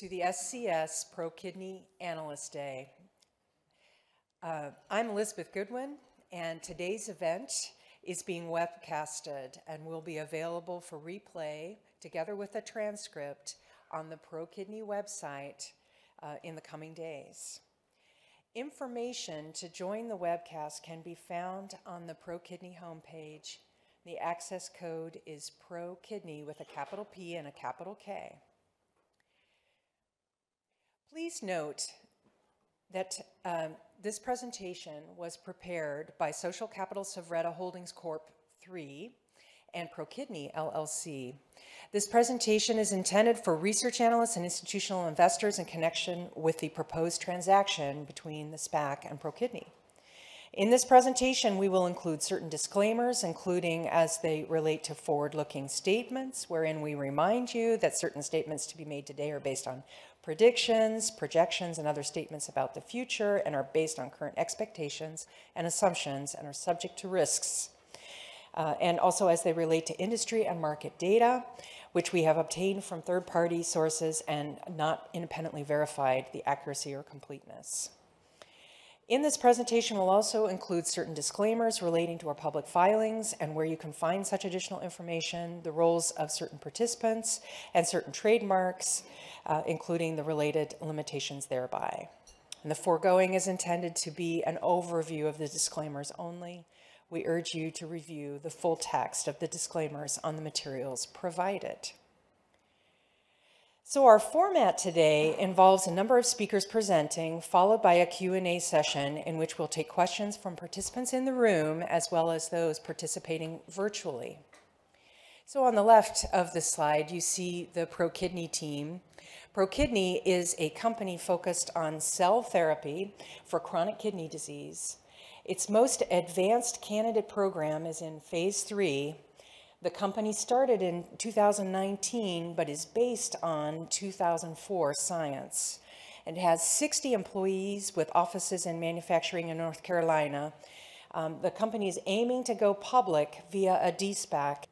Welcome everyone to the SCS ProKidney Analyst Day. I'm Elizabeth Goodwin, and today's event is being webcasted and will be available for replay together with a transcript on the ProKidney website in the coming days. Information to join the webcast can be found on the ProKidney homepage. The access code is ProKidney with a capital P and a capital K. Please note that this presentation was prepared by Social Capital Suvretta Holdings Corp. III and ProKidney LP. This presentation is intended for research analysts and institutional investors in connection with the proposed transaction between the SPAC and ProKidney. In this presentation, we will include certain disclaimers including as they relate to forward-looking statements wherein we remind you that certain statements to be made today are based on predictions, projections, and other statements about the future and are based on current expectations and assumptions and are subject to risks. As they relate to industry and market data, which we have obtained from third-party sources and not independently verified the accuracy or completeness. In this presentation, we'll also include certain disclaimers relating to our public filings and where you can find such additional information, the roles of certain participants and certain trademarks, including the related limitations thereby. The foregoing is intended to be an overview of the disclaimers only. We urge you to review the full text of the disclaimers on the materials provided. Our format today involves a number of speakers presenting, followed by a Q&A session in which we'll take questions from participants in the room as well as those participating virtually. On the left of this slide, you see the ProKidney team. ProKidney is a company focused on cell therapy for chronic kidney disease. Its most advanced candidate program is in 3. The company started in 2019 but is based on 2004 science. It has 60 employees with offices and manufacturing in North Carolina. The company is aiming to go public via a de-SPAC.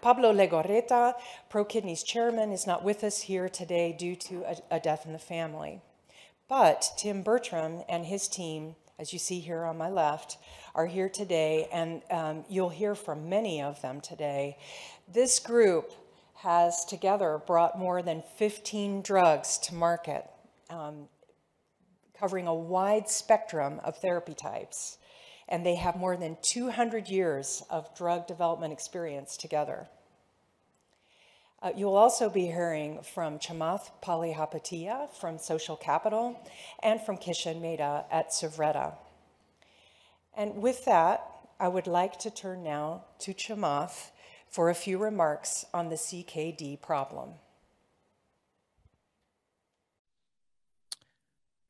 Pablo Legorreta, ProKidney's chairman, is not with us here today due to a death in the family. Tim Bertram and his team, as you see here on my left, are here today and, you'll hear from many of them today. This group has together brought more than 15 drugs to market, covering a wide spectrum of therapy types, and they have more than 200 s of drug development experience together. You'll also be hearing from Chamath Palihapitiya from Social Capital and from Kishan Mehta at Suvretta. With that, I would like to turn now to Chamath for a few remarks on the CKD problem.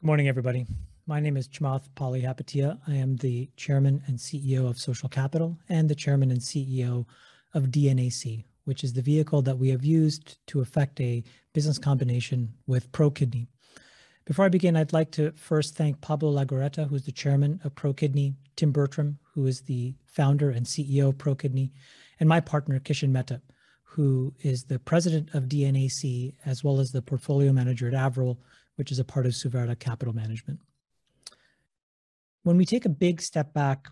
Good morning, everybody. My name is Chamath Palihapitiya. I am the chairman and CEO of Social Capital and the chairman and CEO of DNAC, which is the vehicle that we have used to effect a business combination with ProKidney. Before I begin, I'd like to first thank Pablo Legorreta, who's the chairman of ProKidney, Tim Bertram, who is the founder and CEO of ProKidney, and my partner, Kishan Mehta, who is the president of DNAC, as well as the portfolio manager at, which is a part of Suvretta Capital Management. When we take a big step back,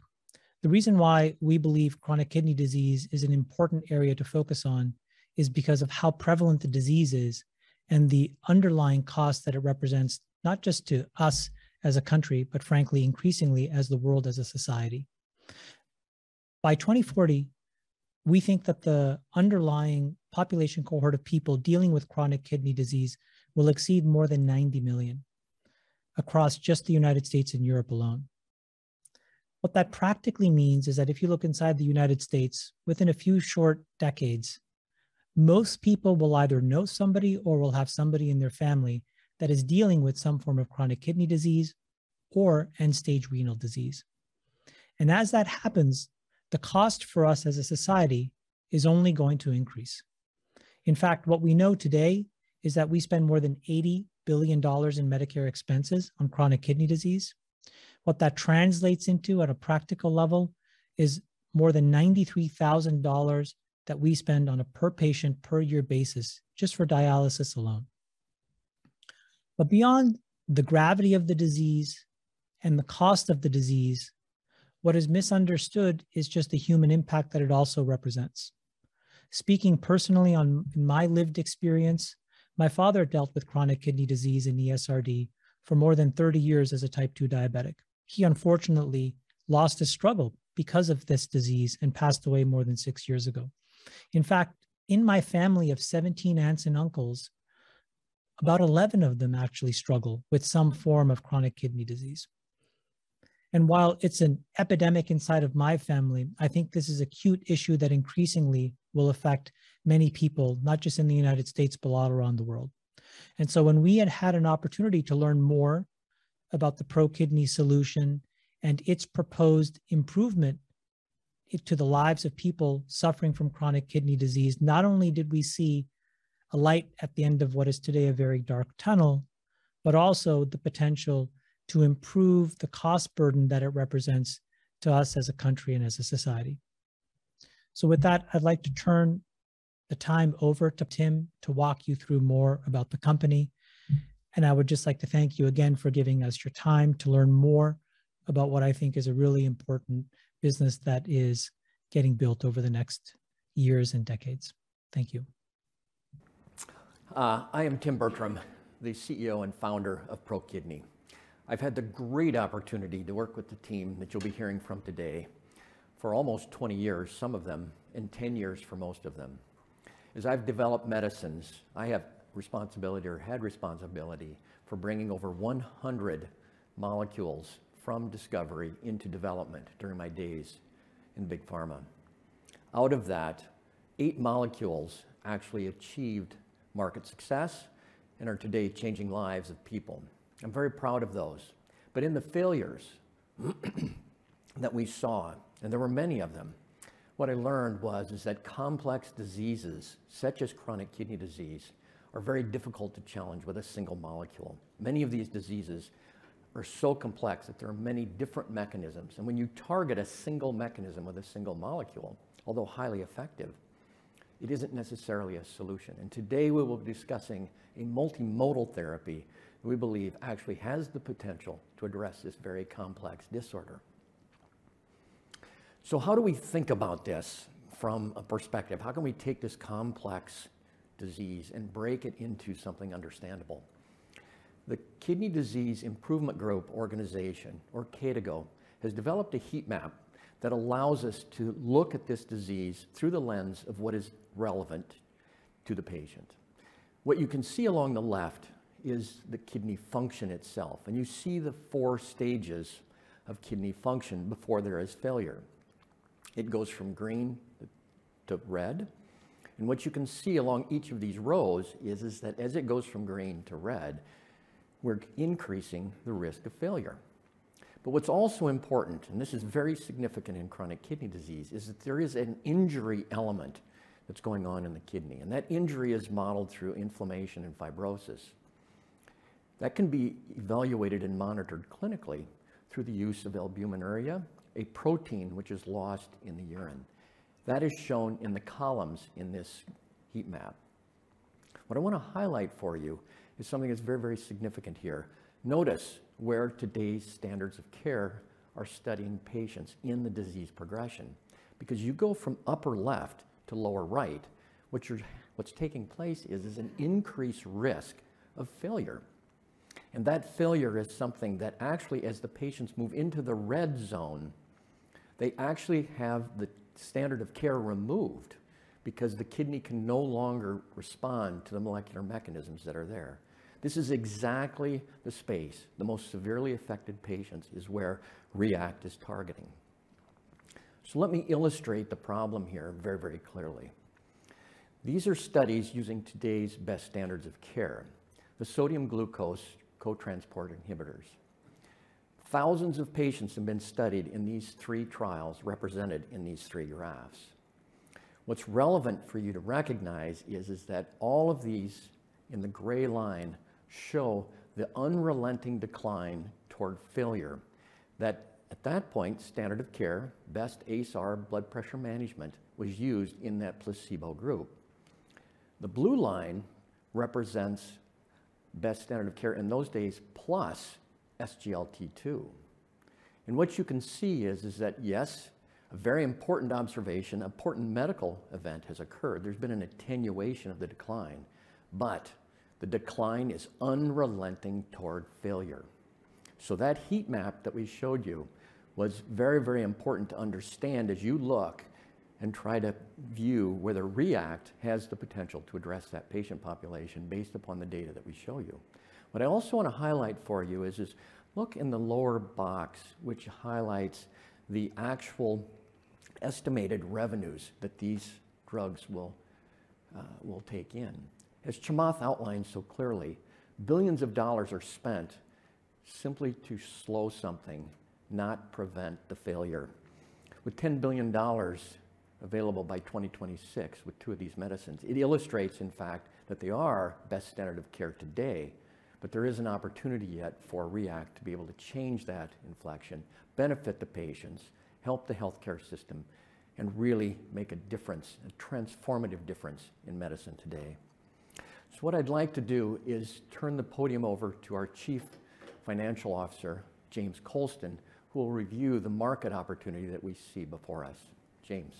the reason why we believe chronic kidney disease is an important area to focus on is because of how prevalent the disease is and the underlying cost that it represents, not just to us as a country, but frankly, increasingly as the world as a society. By 2040, we think that the underlying population cohort of people dealing with chronic kidney disease will exceed more than 90 million across just the United States and Europe alone. What that practically means is that if you look inside the United States, within a few short decades, most people will either know somebody or will have somebody in their family that is dealing with some form of chronic kidney disease or end-stage renal disease. As that happens, the cost for us as a society is only going to increase. In fact, what we know today is that we spend more than $80 billion in Medicare expenses on chronic kidney disease. What that translates into at a practical level is more than $93,000 that we spend on a per patient per year basis just for dialysis alone. Beyond the gravity of the disease and the cost of the disease, what is misunderstood is just the human impact that it also represents. Speaking personally on my lived experience, my father dealt with chronic kidney disease and ESRD for more than 30 years as a type II diabetic. He unfortunately lost his struggle because of this disease and passed away more than six years ago. In fact, in my family of 17 aunts and uncles, about 11 of them actually struggle with some form of chronic kidney disease. While it's an epidemic inside of my family, I think this is an acute issue that increasingly will affect many people, not just in the United States, but all around the world. When we had had an opportunity to learn more about the ProKidney solution and its proposed improvement to the lives of people suffering from chronic kidney disease, not only did we see a light at the end of what is today a very dark tunnel, but also the potential to improve the cost burden that it represents to us as a country and as a society. With that, I'd like to turn the time over to Tim to walk you through more about the company. I would just like to thank you again for giving us your time to learn more about what I think is a really important business that is getting built over the next years and decades. Thank you. I am Tim Bertram, the CEO and founder of ProKidney. I've had the great opportunity to work with the team that you'll be hearing from today for almost 20 years, some of them, and 10 years for most of them. As I've developed medicines, I have responsibility or had responsibility for bringing over 100 molecules from discovery into development during my days in big pharma. Out of that, 8 molecules actually achieved market success and are today changing lives of people. I'm very proud of those. In the failures that we saw, and there were many of them, what I learned was, is that complex diseases such as chronic kidney disease are very difficult to challenge with a single molecule. Many of these diseases are so complex that there are many different mechanisms, and when you target a single mechanism with a single molecule, although highly effective, it isn't necessarily a solution. Today we will be discussing a multimodal therapy we believe actually has the potential to address this very complex disorder. How do we think about this from a perspective? How can we take this complex disease and break it into something understandable? The Kidney Disease: Improving Global Outcomes, or KDIGO, has developed a heat map that allows us to look at this disease through the lens of what is relevant to the patient. What you can see along the left is the kidney function itself, and you see the four stages of kidney function before there is failure. It goes from green to red. What you can see along each of these rows is that as it goes from green to red, we're increasing the risk of failure. What's also important, and this is very significant in chronic kidney disease, is that there is an injury element that's going on in the kidney, and that injury is modeled through inflammation and fibrosis. That can be evaluated and monitored clinically through the use of albuminuria, a protein which is lost in the urine. That is shown in the columns in this heat map. What I wanna highlight for you is something that's very, very significant here. Notice where today's standards of care are studying patients in the disease progression. You go from upper left to lower right, what's taking place is an increased risk of failure. That failure is something that actually as the patients move into the red zone, they actually have the standard of care removed because the kidney can no longer respond to the molecular mechanisms that are there. This is exactly the space, the most severely affected patients is where REACT is targeting. Let me illustrate the problem here very, very clearly. These are studies using today's best standards of care, the sodium-glucose cotransporter inhibitors. Thousands of patients have been studied in these three trials represented in these three graphs. What's relevant for you to recognize is that all of these in the gray line show the unrelenting decline toward failure, that at that point standard of care, best ACE/ARB blood pressure management was used in that placebo group. The blue line represents best standard of care in those days, plus SGLT2. What you can see is that, yes, a very important observation, important medical event has occurred. There's been an attenuation of the decline, but the decline is unrelenting toward failure. That heat map that we showed you was very, very important to understand as you look and try to view whether REACT has the potential to address that patient population based upon the data that we show you. What I also wanna highlight for you is look in the lower box which highlights the actual estimated revenues that these drugs will take in. As Chamath outlined so clearly, $ billions are spent simply to slow something, not prevent the failure. With $10 billion available by 2026 with two of these medicines, it illustrates, in fact, that they are best standard of care today, but there is an opportunity yet for REACT to be able to change that inflection, benefit the patients, help the healthcare system, and really make a difference, a transformative difference in medicine today. What I'd like to do is turn the podium over to our Chief Financial Officer, James Coulston, who will review the market opportunity that we see before us. James.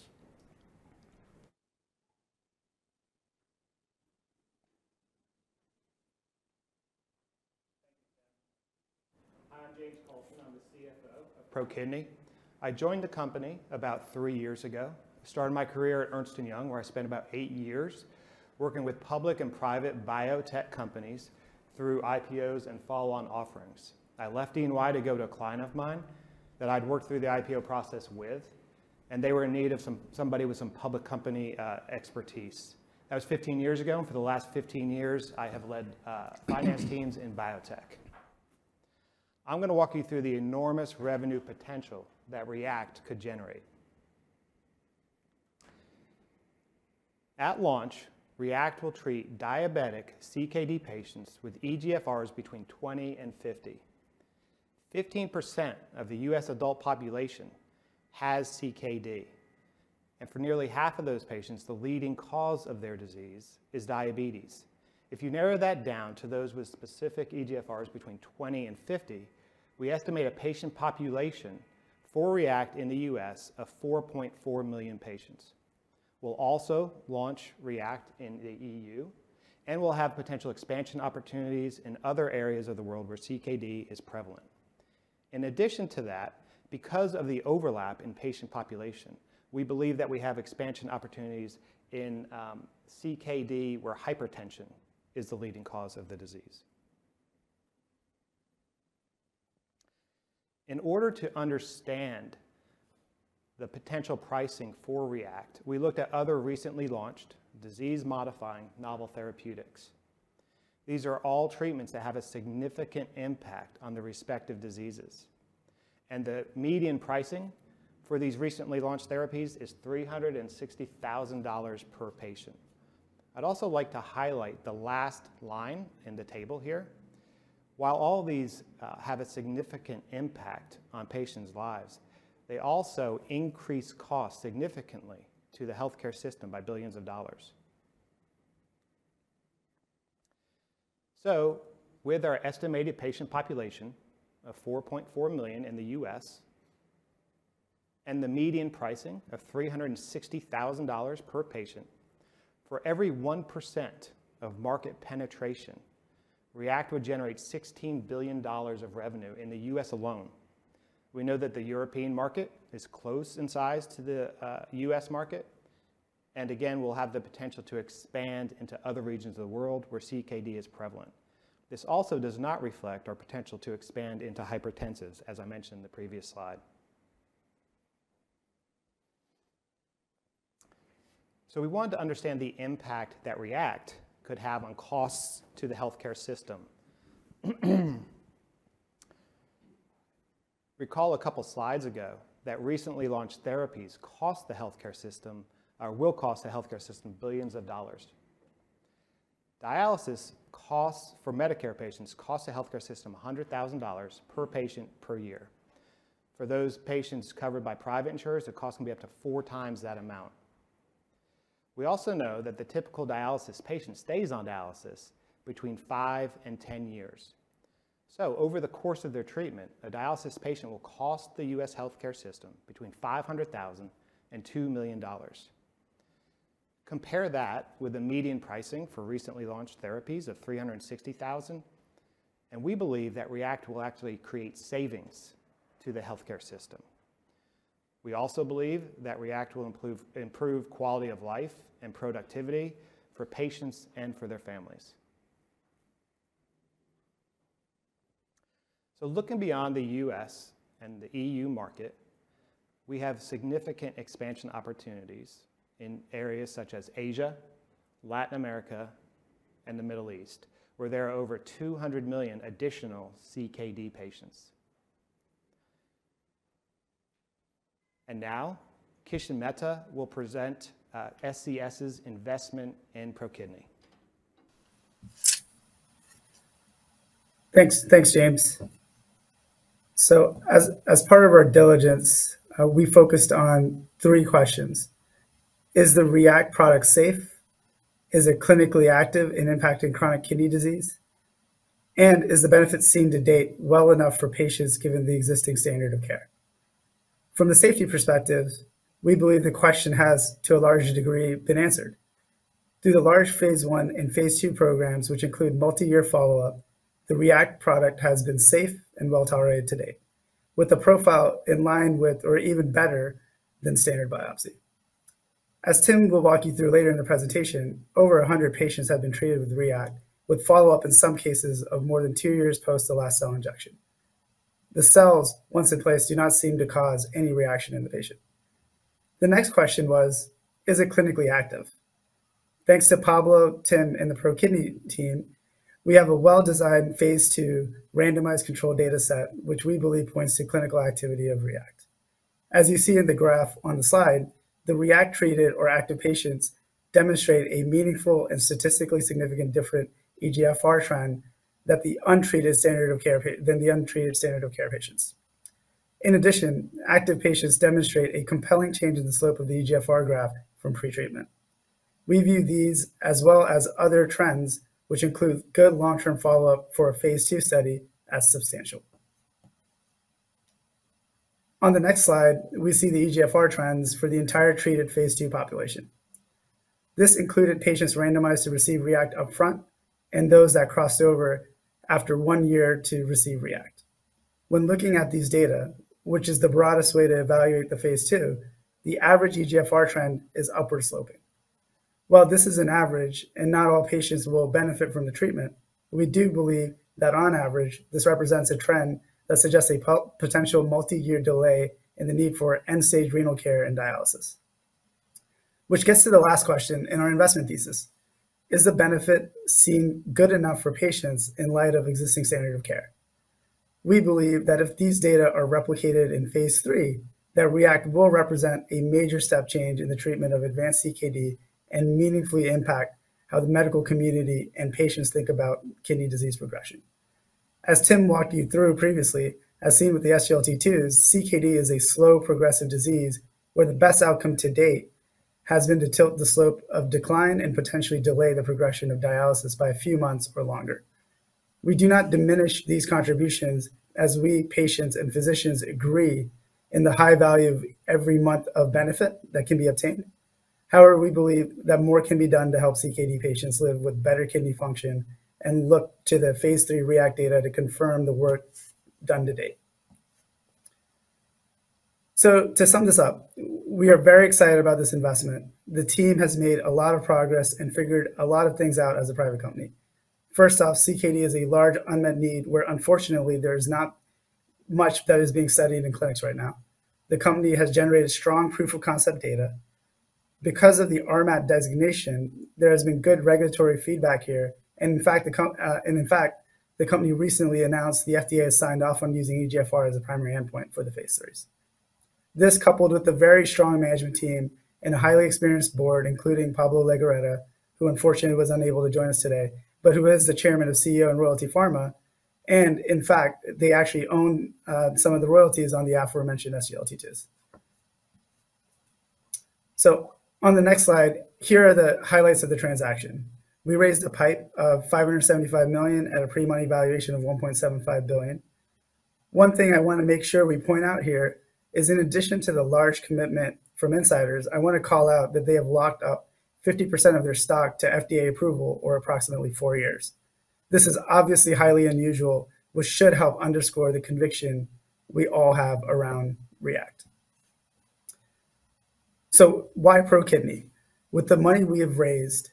Hi, I'm James Coulston. I'm the CFO of ProKidney. I joined the company about three years ago. I started my career at Ernst & Young, where I spent about eight years working with public and private biotech companies through IPOs and follow-on offerings. I left E&Y to go to a client of mine that I'd worked through the IPO process with, and they were in need of somebody with some public company expertise. That was 15 years ago, and for the last 15 years, I have led finance teams in biotech. I'm gonna walk you through the enormous revenue potential that REACT could generate. At launch, REACT will treat diabetic CKD patients with eGFRs between 20-50. 15% of the U.S. adult population has CKD, and for nearly half of those patients, the leading cause of their disease is diabetes. If you narrow that down to those with specific eGFRs between 20 and 50, we estimate a patient population for REACT in the U.S. Of 4.4 million patients. We'll also launch REACT in the EU, and we'll have potential expansion opportunities in other areas of the world where CKD is prevalent. In addition to that, because of the overlap in patient population, we believe that we have expansion opportunities in CKD where hypertension is the leading cause of the disease. In order to understand the potential pricing for REACT, we looked at other recently launched disease-modifying novel therapeutics. These are all treatments that have a significant impact on the respective diseases, and the median pricing for these recently launched therapies is $360,000 per patient. I'd also like to highlight the last line in the table here. While all these have a significant impact on patients' lives, they also increase costs significantly to the healthcare system by billions of dollars. With our estimated patient population of 4.4 million in the U.S. and the median pricing of $360,000 per patient, for every 1% of market penetration, REACT would generate $16 billion of revenue in the U.S. alone. We know that the European market is close in size to the U.S. market, and again, we'll have the potential to expand into other regions of the world where CKD is prevalent. This also does not reflect our potential to expand into hypertensives, as I mentioned in the previous slide. We want to understand the impact that REACT could have on costs to the healthcare system. Recall a couple slides ago that recently launched therapies cost the healthcare system or will cost the healthcare system billions of dollars. Dialysis costs for Medicare patients costs the healthcare system $100,000 per patient per year. For those patients covered by private insurers, the cost can be up to 4 times that amount. We also know that the typical dialysis patient stays on dialysis between five and 10 years. Over the course of their treatment, a dialysis patient will cost the U.S. healthcare system between $500,000 and $2 million. Compare that with the median pricing for recently launched therapies of $360,000, and we believe that REACT will actually create savings to the healthcare system. We also believe that REACT will improve quality of life and productivity for patients and for their families. Looking beyond the U.S. and the E.U. market, we have significant expansion opportunities in areas such as Asia, Latin America, and the Middle East, where there are over 200 million additional CKD patients. Now Kishan Mehta will present SCS's investment in ProKidney. Thanks. Thanks, James. As part of our diligence, we focused on three questions. Is the REACT product safe? Is it clinically active in impacting chronic kidney disease? And is the benefit seen to date well enough for patients given the existing standard of care? From the safety perspective, we believe the question has, to a large degree, been answered. Through the large Phase I and Phase II programs, which include multi-year follow-up, the REACT product has been safe and well-tolerated to date, with a profile in line with or even better than standard biopsy. As Tim will walk you through later in the presentation, over 100 patients have been treated with REACT, with follow-up in some cases of more than two years post the last cell injection. The cells, once in place, do not seem to cause any reaction in the patient. The next question was: Is it clinically active? Thanks to Pablo, Tim, and the ProKidney team, we have a well-designed Phase II randomized controlled data set, which we believe points to clinical activity of REACT. As you see in the graph on the slide, the REACT-treated or active patients demonstrate a meaningful and statistically significant difference in the eGFR trend than the untreated standard of care patients. In addition, active patients demonstrate a compelling change in the slope of the eGFR graph from pretreatment. We view these as well as other trends, which include good long-term follow-up for a Phase II study, as substantial. On the next slide, we see the eGFR trends for the entire treated Phase II population. This included patients randomized to receive REACT upfront and those that crossed over after one year to receive REACT. When looking at these data, which is the broadest way to evaluate the Phase II, the average eGFR trend is upward sloping. While this is an average and not all patients will benefit from the treatment, we do believe that on average, this represents a trend that suggests a potential multi-year delay in the need for end-stage renal care and dialysis. Which gets to the last question in our investment thesis. Is the benefit seem good enough for patients in light of existing standard of care? We believe that if these data are replicated in Phase III, that REACT will represent a major step change in the treatment of advanced CKD and meaningfully impact how the medical community and patients think about kidney disease progression. As Tim walked you through previously, as seen with the SGLT2s, CKD is a slow progressive disease where the best outcome to date has been to tilt the slope of decline and potentially delay the progression of dialysis by a few months or longer. We do not diminish these contributions as we patients and physicians agree in the high value of every month of benefit that can be obtained. However, we believe that more can be done to help CKD patients live with better kidney function and look to the Phase III REACT data to confirm the work done to date. To sum this up, we are very excited about this investment. The team has made a lot of progress and figured a lot of things out as a private company. First off, CKD is a large unmet need where unfortunately there is not much that is being studied in clinics right now. The company has generated strong proof of concept data. Because of the RMAT designation, there has been good regulatory feedback here. In fact, the company recently announced the FDA has signed off on using eGFR as a primary endpoint for the Phase IIIs. This coupled with a very strong management team and a highly experienced board, including Pablo Legorreta, who unfortunately was unable to join us today, but who is the chairman and CEO in Royalty Pharma. In fact, they actually own some of the royalties on the aforementioned SGLT2s. On the next slide, here are the highlights of the transaction. We raised a PIPE of $575 million at a pre-money valuation of $1.75 billion. One thing I want to make sure we point out here is in addition to the large commitment from insiders, I want to call out that they have locked up 50% of their stock to FDA approval or approximately four years. This is obviously highly unusual, which should help underscore the conviction we all have around REACT. Why ProKidney? With the money we have raised,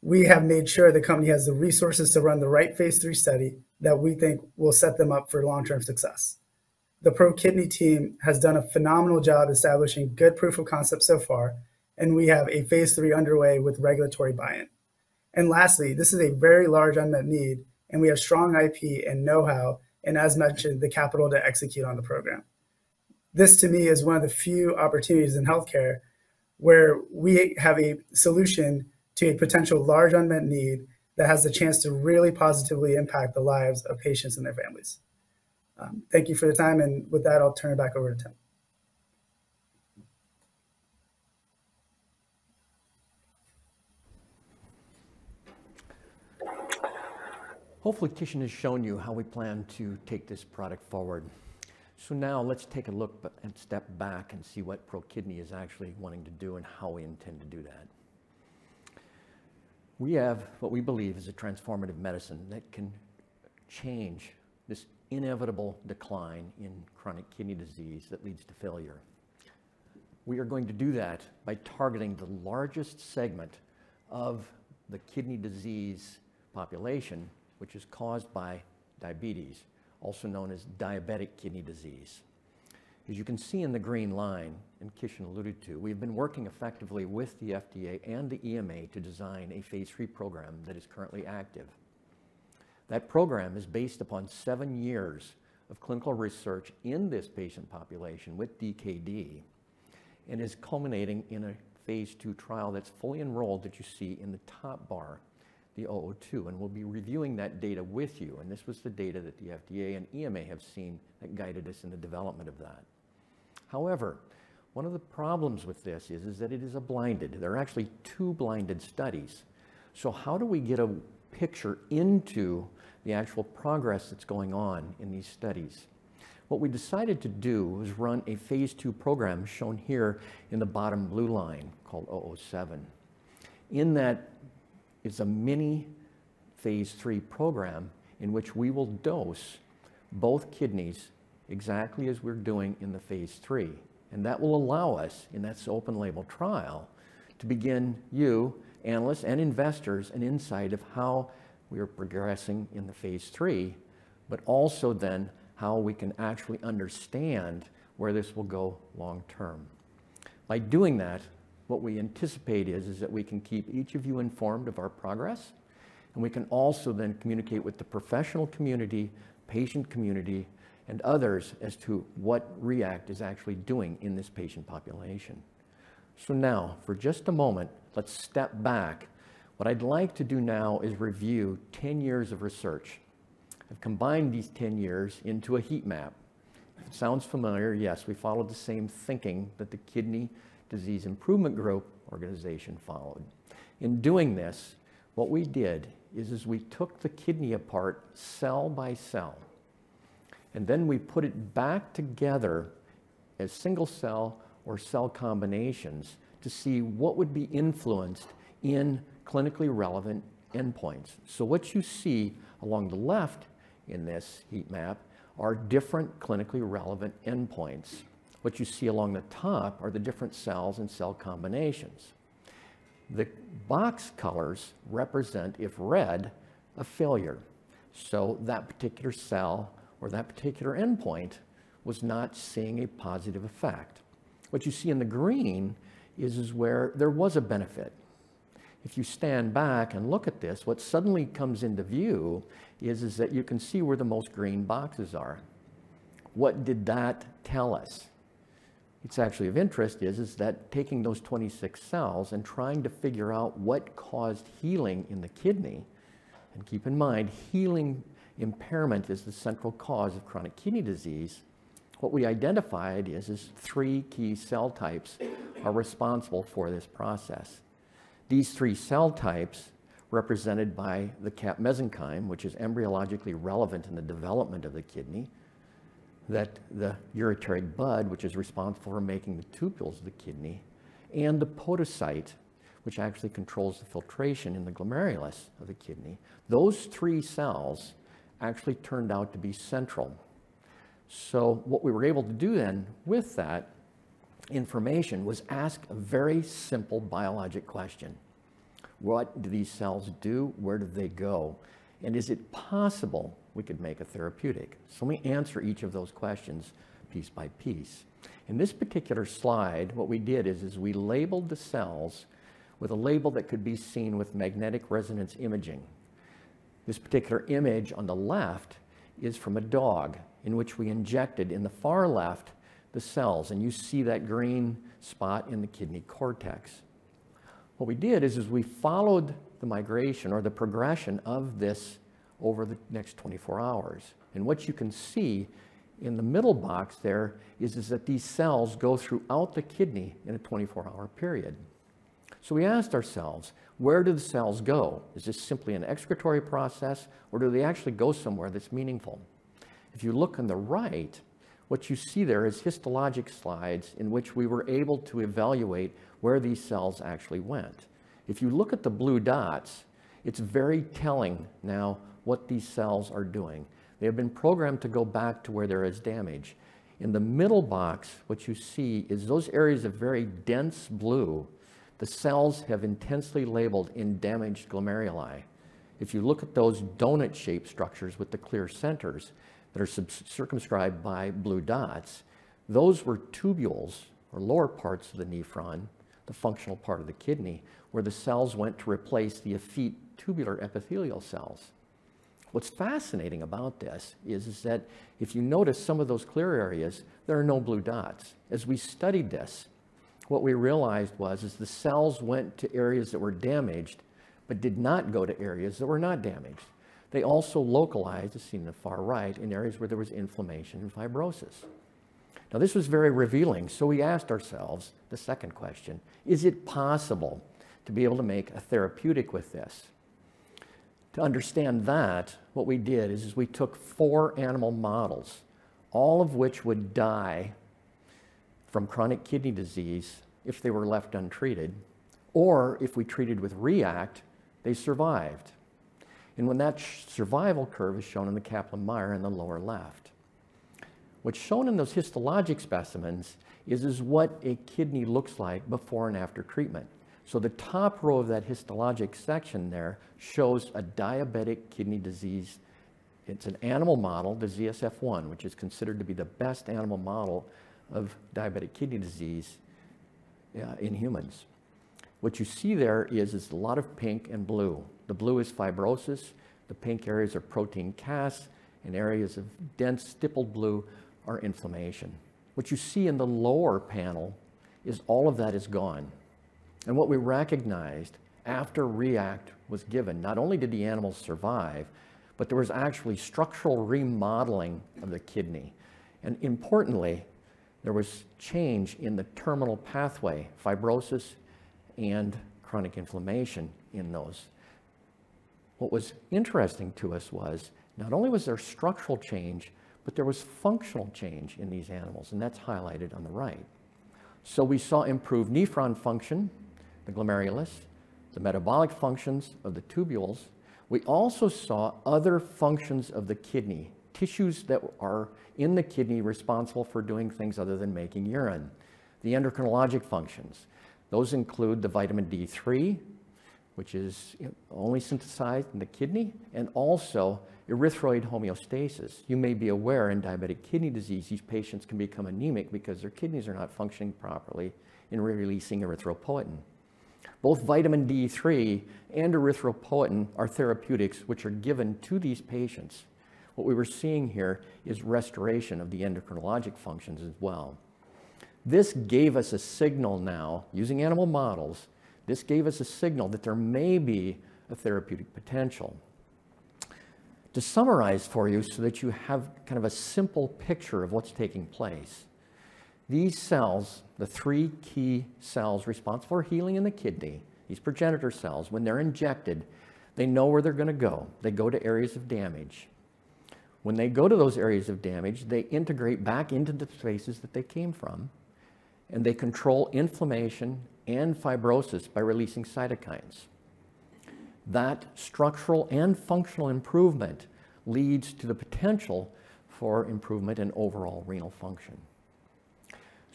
we have made sure the company has the resources to run the right Phase III study that we think will set them up for long-term success. The ProKidney team has done a phenomenal job establishing good proof of concept so far, and we have a Phase III underway with regulatory buy-in. Lastly, this is a very large unmet need, and we have strong IP and know-how and as mentioned, the capital to execute on the program. This to me is one of the few opportunities in healthcare where we have a solution to a potential large unmet need that has the chance to really positively impact the lives of patients and their families. Thank you for the time, and with that, I'll turn it back over to Tim. Hopefully, Kishen has shown you how we plan to take this product forward. Now let's take a look and step back and see what ProKidney is actually wanting to do and how we intend to do that. We have what we believe is a transformative medicine that can change this inevitable decline in chronic kidney disease that leads to failure. We are going to do that by targeting the largest segment of the kidney disease population, which is caused by diabetes, also known as diabetic kidney disease. As you can see in the green line, and Kishen alluded to, we've been working effectively with the FDA and the EMA to design a Phase III program that is currently active. That program is based upon seven years of clinical research in this patient population with DKD and is culminating in a Phase II trial that's fully enrolled that you see in the top bar, the RMCL-002. We'll be reviewing that data with you, and this was the data that the FDA and EMA have seen that guided us in the development of that. However, one of the problems with this is that it is a blinded. There are actually two blinded studies. How do we get a picture into the actual progress that's going on in these studies? What we decided to do was run a Phase II program shown here in the bottom blue line called RMCL-007. In that, it's a mini Phase III program in which we will dose both kidneys exactly as we're doing in the Phase III. That will allow us, in that open label trial, to begin you, analysts and investors, an insight of how we are progressing in the Phase III, but also then how we can actually understand where this will go long term. By doing that, what we anticipate is that we can keep each of you informed of our progress, and we can also then communicate with the professional community, patient community, and others as to what REACT is actually doing in this patient population. Now, for just a moment, let's step back. What I'd like to do now is review 10 years of research. I've combined these 10 years into a heat map. If it sounds familiar, yes, we followed the same thinking that the kidney disease: Improving Global Outcomes followed. In doing this, what we did is we took the kidney apart cell by cell, and then we put it back together as single cell or cell combinations to see what would be influenced in clinically relevant endpoints. What you see along the left in this heat map are different clinically relevant endpoints. What you see along the top are the different cells and cell combinations. The box colors represent, if red, a failure. That particular cell or that particular endpoint was not seeing a positive effect. What you see in the green is where there was a benefit. If you stand back and look at this, what suddenly comes into view is that you can see where the most green boxes are. What did that tell us? It's actually of interest is that taking those 26 cells and trying to figure out what caused healing in the kidney, and keep in mind, healing impairment is the central cause of chronic kidney disease. What we identified is three key cell types are responsible for this process. These three cell types represented by the cap mesenchyme, which is embryologically relevant in the development of the kidney, that the ureteric bud, which is responsible for making the tubules of the kidney, and the podocyte, which actually controls the filtration in the glomerulus of the kidney. Those three cells actually turned out to be central. What we were able to do then with that information was ask a very simple biologic question. What do these cells do? Where do they go? And is it possible we could make a therapeutic? Let me answer each of those questions piece by piece. In this particular slide, what we did is we labeled the cells with a label that could be seen with magnetic resonance imaging. This particular image on the left is from a dog in which we injected in the far left the cells, and you see that green spot in the kidney cortex. What we did is we followed the migration or the progression of this over the next 24 hours. What you can see in the middle box there is that these cells go throughout the kidney in a 24-hour period. We asked ourselves, where do the cells go? Is this simply an excretory process, or do they actually go somewhere that's meaningful? If you look on the right, what you see there is histologic slides in which we were able to evaluate where these cells actually went. If you look at the blue dots, it's very telling now what these cells are doing. They have been programmed to go back to where there is damage. In the middle box, what you see is those areas of very dense blue, the cells have intensely labeled in damaged glomeruli. If you look at those donut shape structures with the clear centers that are circumscribed by blue dots, those were tubules or lower parts of the nephron, the functional part of the kidney, where the cells went to replace the effete tubular epithelial cells. What's fascinating about this is that if you notice some of those clear areas, there are no blue dots. As we studied this, what we realized was the cells went to areas that were damaged but did not go to areas that were not damaged. They also localized, as seen in the far right, in areas where there was inflammation and fibrosis. Now, this was very revealing, so we asked ourselves the second question: is it possible to be able to make a therapeutic with this? To understand that, what we did is we took four animal models, all of which would die from chronic kidney disease if they were left untreated, or if we treated with REACT, they survived. When that survival curve is shown in the Kaplan-Meier in the lower left. What's shown in those histologic specimens is what a kidney looks like before and after treatment. The top row of that histologic section there shows a diabetic kidney disease. It's an animal model, the ZSF-1, which is considered to be the best animal model of diabetic kidney disease in humans. What you see there is a lot of pink and blue. The blue is fibrosis, the pink areas are protein casts, and areas of dense stippled blue are inflammation. What you see in the lower panel is all of that is gone. What we recognized after REACT was given, not only did the animals survive, but there was actually structural remodeling of the kidney. Importantly, there was change in the terminal pathway, fibrosis and chronic inflammation in those. What was interesting to us was not only was there structural change, but there was functional change in these animals, and that's highlighted on the right. We saw improved nephron function, the glomerulus, the metabolic functions of the tubules. We also saw other functions of the kidney, tissues that are in the kidney responsible for doing things other than making urine. The endocrinologic functions, those include the vitamin D3, which is only synthesized in the kidney, and also erythroid homeostasis. You may be aware in diabetic kidney disease, these patients can become anemic because their kidneys are not functioning properly in releasing erythropoietin. Both vitamin D3 and erythropoietin are therapeutics which are given to these patients. What we were seeing here is restoration of the endocrinologic functions as well. This gave us a signal now, using animal models, this gave us a signal that there may be a therapeutic potential. To summarize for you so that you have kind of a simple picture of what's taking place, these cells, the three key cells responsible for healing in the kidney, these progenitor cells, when they're injected, they know where they're gonna go. They go to areas of damage. When they go to those areas of damage, they integrate back into the spaces that they came from, and they control inflammation and fibrosis by releasing cytokines. That structural and functional improvement leads to the potential for improvement in overall renal function.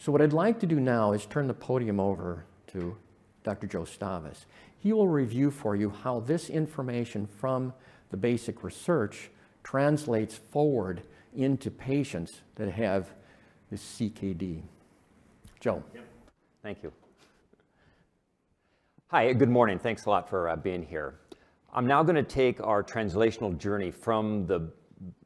What I'd like to do now is turn the podium over to Dr. Joseph Stavas. He will review for you how this information from the basic research translates forward into patients that have the CKD. Joe. Yep. Thank you. Hi, good morning. Thanks a lot for being here. I'm now gonna take our translational journey from the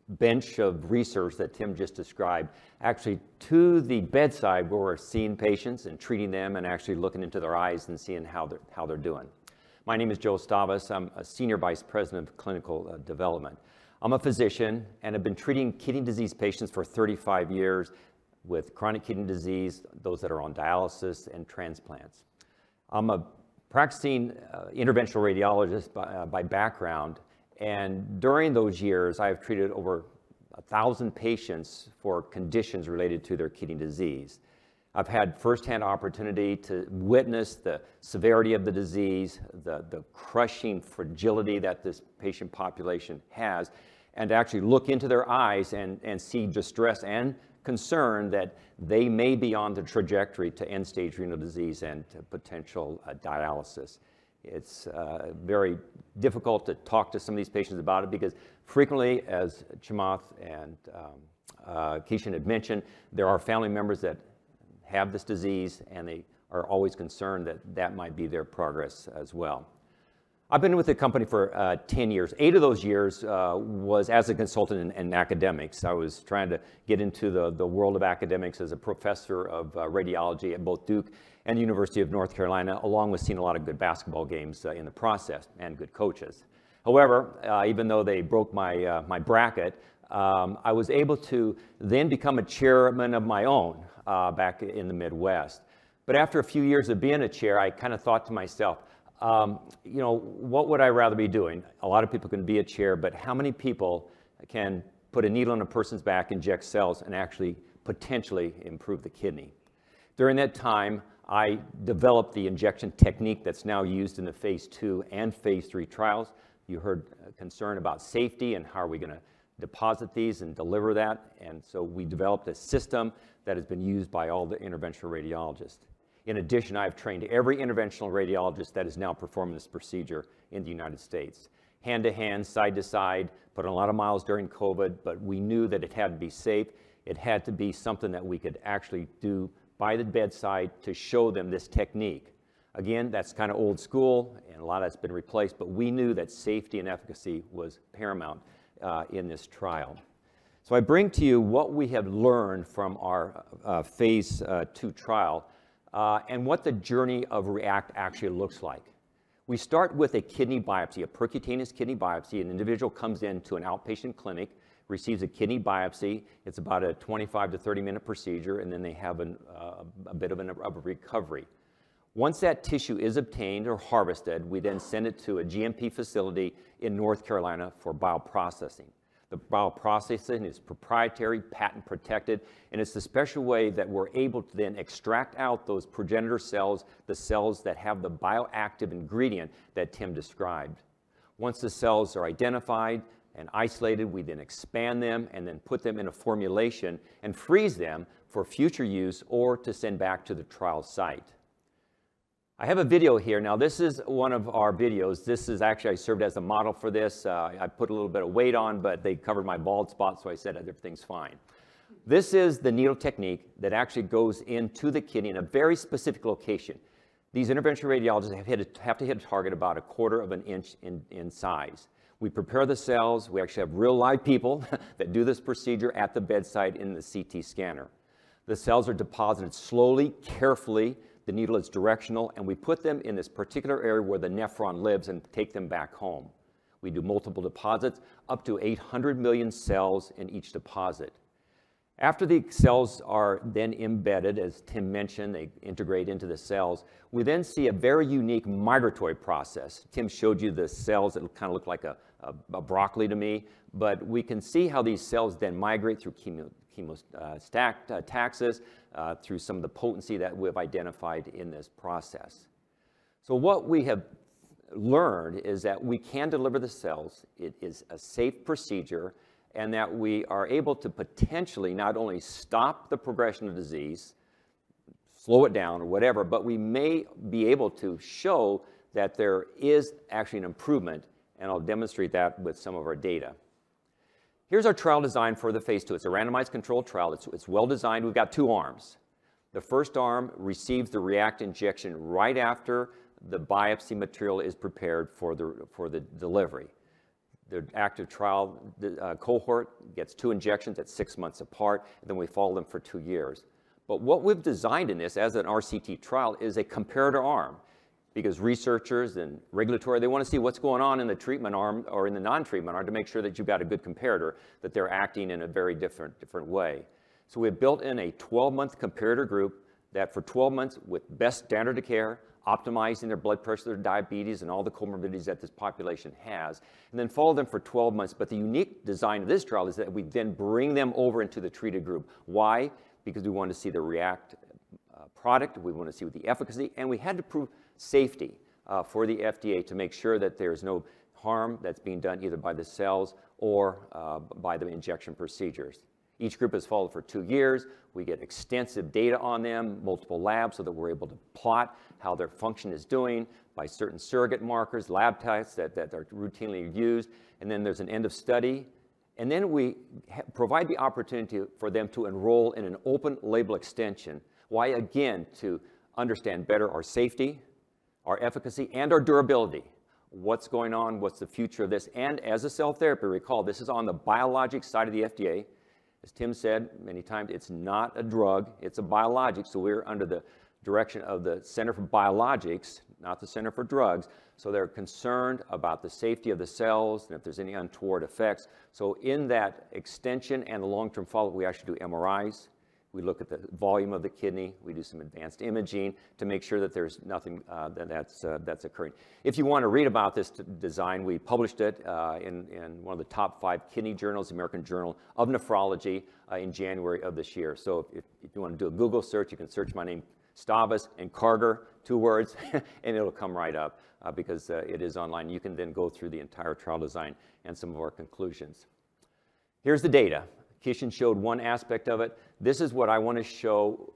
bench of research that Tim Bertram just described, actually to the bedside where we're seeing patients and treating them and actually looking into their eyes and seeing how they're doing. My name is Joseph Stavas. I'm a Senior Vice President of Clinical Affairs. I'm a physician and have been treating kidney disease patients for 35 years with chronic kidney disease, those that are on dialysis and transplants. I'm a practicing interventional radiologist by background, and during those years, I have treated over 1,000 patients for conditions related to their kidney disease. I've had firsthand opportunity to witness the severity of the disease, the crushing fragility that this patient population has, and to actually look into their eyes and see distress and concern that they may be on the trajectory to end-stage renal disease and to potential dialysis. It's very difficult to talk to some of these patients about it because frequently, as Chamath and Kishan had mentioned, there are family members that have this disease, and they are always concerned that might be their progress as well. I've been with the company for 10 years. Eight of those years was as a consultant in academics. I was trying to get into the world of academics as a professor of radiology at both Duke University and the University of North Carolina, along with seeing a lot of good basketball games in the process, and good coaches. However, even though they broke my bracket, I was able to then become a chairman of my own back in the Midwest. After a few years of being a chair, I kinda thought to myself, "What would I rather be doing?" A lot of people can be a chair, but how many people can put a needle in a person's back, inject cells, and actually potentially improve the kidney? During that time, I developed the injection technique that's now used in the Phase II and Phase III trials. You heard concern about safety and how are we gonna deposit these and deliver that. We developed a system that has been used by all the interventional radiologists. In addition, I have trained every interventional radiologist that is now performing this procedure in the United States. Hand to hand, side to side, put a lot of miles during COVID, but we knew that it had to be safe. It had to be something that we could actually do by the bedside to show them this technique. Again, that's kinda old school, and a lot of that's been replaced, but we knew that safety and efficacy was paramount in this trial. I bring to you what we have learned from our Phase II trial and what the journey of REACT actually looks like. We start with a kidney biopsy, a percutaneous kidney biopsy. An individual comes into an outpatient clinic, receives a kidney biopsy. It's about a 25- to 30-minute procedure, and then they have a bit of a recovery. Once that tissue is obtained or harvested, we then send it to a GMP facility in North Carolina for bioprocessing. The bioprocessing is proprietary, patent protected, and it's the special way that we're able to then extract out those progenitor cells, the cells that have the bioactive ingredient that Tim described. Once the cells are identified and isolated, we then expand them and then put them in a formulation and freeze them for future use or to send back to the trial site. I have a video here. Now, this is one of our videos. Actually, I served as a model for this. I put a little bit of weight on, but they covered my bald spot, so I said other things fine. This is the needle technique that actually goes into the kidney in a very specific location. These interventional radiologists have to hit a target about a of an inch in size. We prepare the cells. We actually have real live people that do this procedure at the bedside in the CT scanner. The cells are deposited slowly, carefully. The needle is directional, and we put them in this particular area where the nephron lives and take them back home. We do multiple deposits, up to 800 million cells in each deposit. After the cells are then embedded, as Tim mentioned, they integrate into the cells. We then see a very unique migratory process. Tim showed you the cells. It kinda looked like a broccoli to me. We can see how these cells then migrate through chemotaxis, through some of the potency that we have identified in this process. What we have learned is that we can deliver the cells, it is a safe procedure, and that we are able to potentially not only stop the progression of disease, slow it down or whatever, but we may be able to show that there is actually an improvement, and I'll demonstrate that with some of our data. Here's our trial design for the Phase II. It's a randomized controlled trial. It's well designed. We've got two arms. The first arm receives the REACT injection right after the biopsy material is prepared for the delivery. The active trial, the cohort gets 2 injections at 6 months apart, and then we follow them for two years. What we've designed in this as an RCT trial is a comparator arm, because researchers and regulatory, they wanna see what's going on in the treatment arm or in the non-treatment arm to make sure that you've got a good comparator, that they're acting in a very different way. We've built in a 12-month comparator group that for 12 months with best standard of care, optimizing their blood pressure, their diabetes, and all the comorbidities that this population has, and then follow them for 12 months. The unique design of this trial is that we then bring them over into the treated group. Why? Because we want to see the REACT product. We want to see what the efficacy and we had to prove safety for the FDA to make sure that there's no harm that's being done either by the cells or by the injection procedures. Each group is followed for two years. We get extensive data on them, multiple labs, so that we're able to plot how their function is doing by certain surrogate markers, lab tests that are routinely used. There's an end of study, and then we provide the opportunity for them to enroll in an open label extension. Why? Again, to understand better our safety, our efficacy, and our durability. What's going on? What's the future of this? As a cell therapy, recall, this is on the biologic side of the FDA. As Tim said many times, it's not a drug, it's a biologic, so we're under the direction of the Center for Biologics, not the Center for Drugs. They're concerned about the safety of the cells and if there's any untoward effects. In that extension and the long-term follow-up, we actually do MRIs. We look at the volume of the kidney. We do some advanced imaging to make sure that there's nothing that's occurring. If you wanna read about this design, we published it in one of the top five kidney journals, American Journal of Nephrology, in January of this year. If you wanna do a Google search, you can search my name, Stavas and REACT, two words, and it'll come right up, because it is online. You can then go through the entire trial design and some of our conclusions. Here's the data. Kishen showed one aspect of it. This is what I wanna show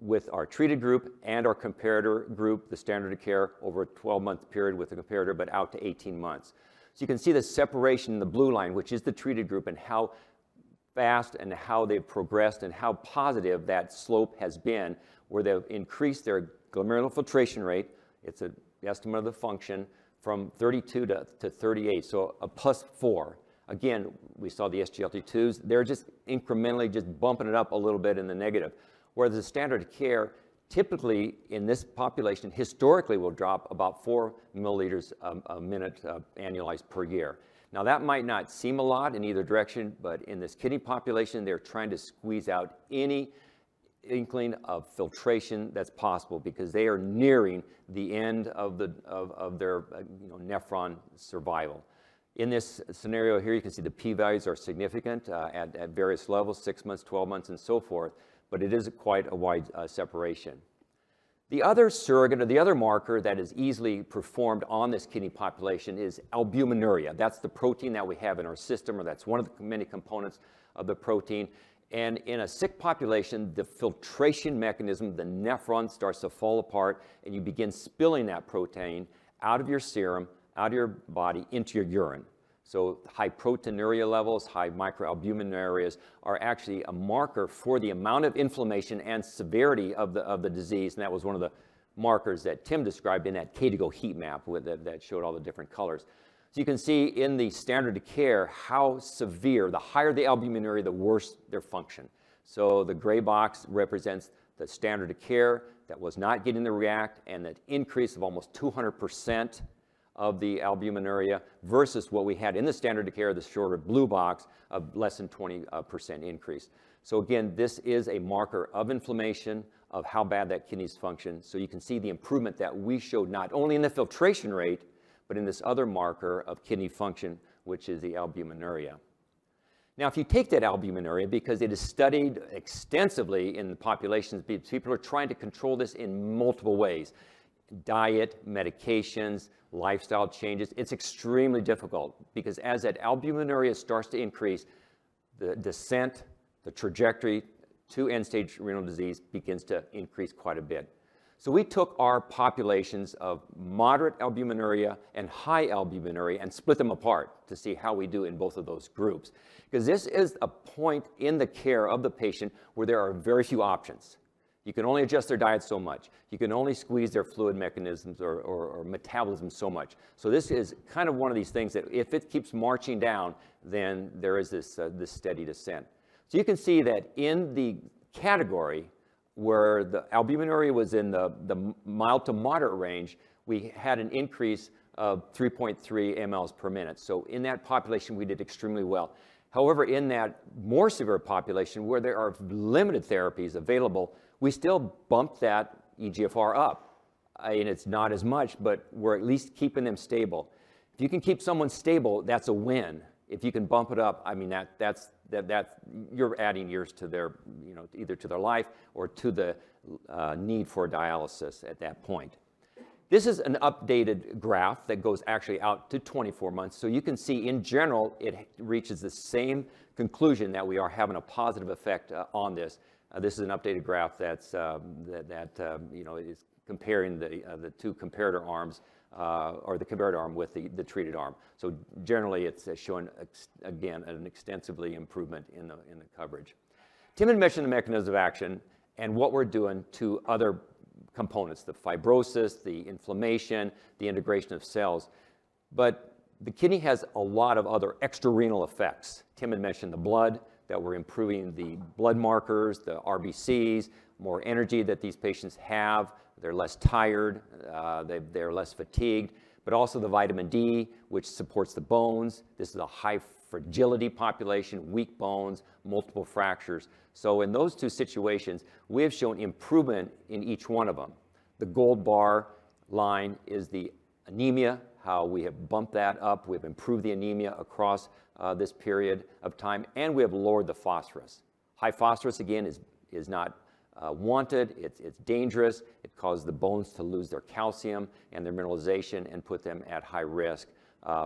with our treated group and our comparator group, the standard of care over a 12-month period with the comparator, but out to 18 months. You can see the separation in the blue line, which is the treated group, and how fast and how they've progressed and how positive that slope has been, where they've increased their glomerular filtration rate. It's the estimate of the function from 32 to 38, so a +4. Again, we saw the SGLT2s. They're just incrementally just bumping it up a little bit in the negative, where the standard of care, typically in this population, historically will drop about 4 milliliters a minute annualized per year. Now, that might not seem a lot in either direction, but in this kidney population, they're trying to squeeze out any inkling of filtration that's possible because they are nearing the end of their, nephron survival. In this scenario here, you can see the P values are significant at various levels, six months, twelve months, and so forth, but it is quite a wide separation. The other surrogate or the other marker that is easily performed on this kidney population is albuminuria. That's the protein that we have in our system, or that's one of the many components of the protein. In a sick population, the filtration mechanism, the nephron, starts to fall apart, and you begin spilling that protein out of your serum, out of your body, into your urine. High proteinuria levels, high microalbuminurias are actually a marker for the amount of inflammation and severity of the disease, and that was one of the markers that Tim described in that KDIGO heat map that showed all the different colors. You can see in the standard of care how severe, the higher the albuminuria, the worse their function. The gray box represents the standard of care that was not getting the REACT and that increase of almost 200% of the albuminuria versus what we had in the standard of care, the shorter blue box of less than 20% increase. Again, this is a marker of inflammation, of how bad that kidney's function. You can see the improvement that we showed, not only in the filtration rate, but in this other marker of kidney function, which is the albuminuria. Now, if you take that albuminuria, because it is studied extensively in the populations, people are trying to control this in multiple ways, diet, medications, lifestyle changes. It's extremely difficult because as that albuminuria starts to increase, the descent, the trajectory to end-stage renal disease begins to increase quite a bit. We took our populations of moderate albuminuria and high albuminuria and split them apart to see how we do in both of those groups. 'Cause this is a point in the care of the patient where there are very few options. You can only adjust their diet so much. You can only squeeze their fluid mechanisms or metabolism so much. This is kind of one of these things that if it keeps marching down, then there is this steady descent. You can see that in the category where the albuminuria was in the mild to moderate range, we had an increase of 3.3 mL/min. In that population, we did extremely well. However, in that more severe population where there are limited therapies available, we still bumped that eGFR up. It's not as much, but we're at least keeping them stable. If you can keep someone stable, that's a win. If you can bump it up, I mean, that you're adding years to their, either to their life or to the need for dialysis at that point. This is an updated graph that goes actually out to 24 months. You can see in general it reaches the same conclusion that we are having a positive effect on this. This is an updated graph that is comparing the two comparator arms or the comparator arm with the treated arm. Generally, it's showing again an extensive improvement in the coverage. Tim had mentioned the mechanism of action and what we're doing to other components, the fibrosis, the inflammation, the integration of cells, but the kidney has a lot of other extrarenal effects. Tim had mentioned the blood, that we're improving the blood markers, the RBCs, more energy that these patients have. They're less tired, they're less fatigued, but also the vitamin D, which supports the bones. This is a high fragility population, weak bones, multiple fractures. In those two situations, we have shown improvement in each one of them. The gold bar line is the anemia, how we have bumped that up. We've improved the anemia across this period of time, and we have lowered the phosphorus. High phosphorus, again, is not wanted. It's dangerous. It causes the bones to lose their calcium and their mineralization and put them at high risk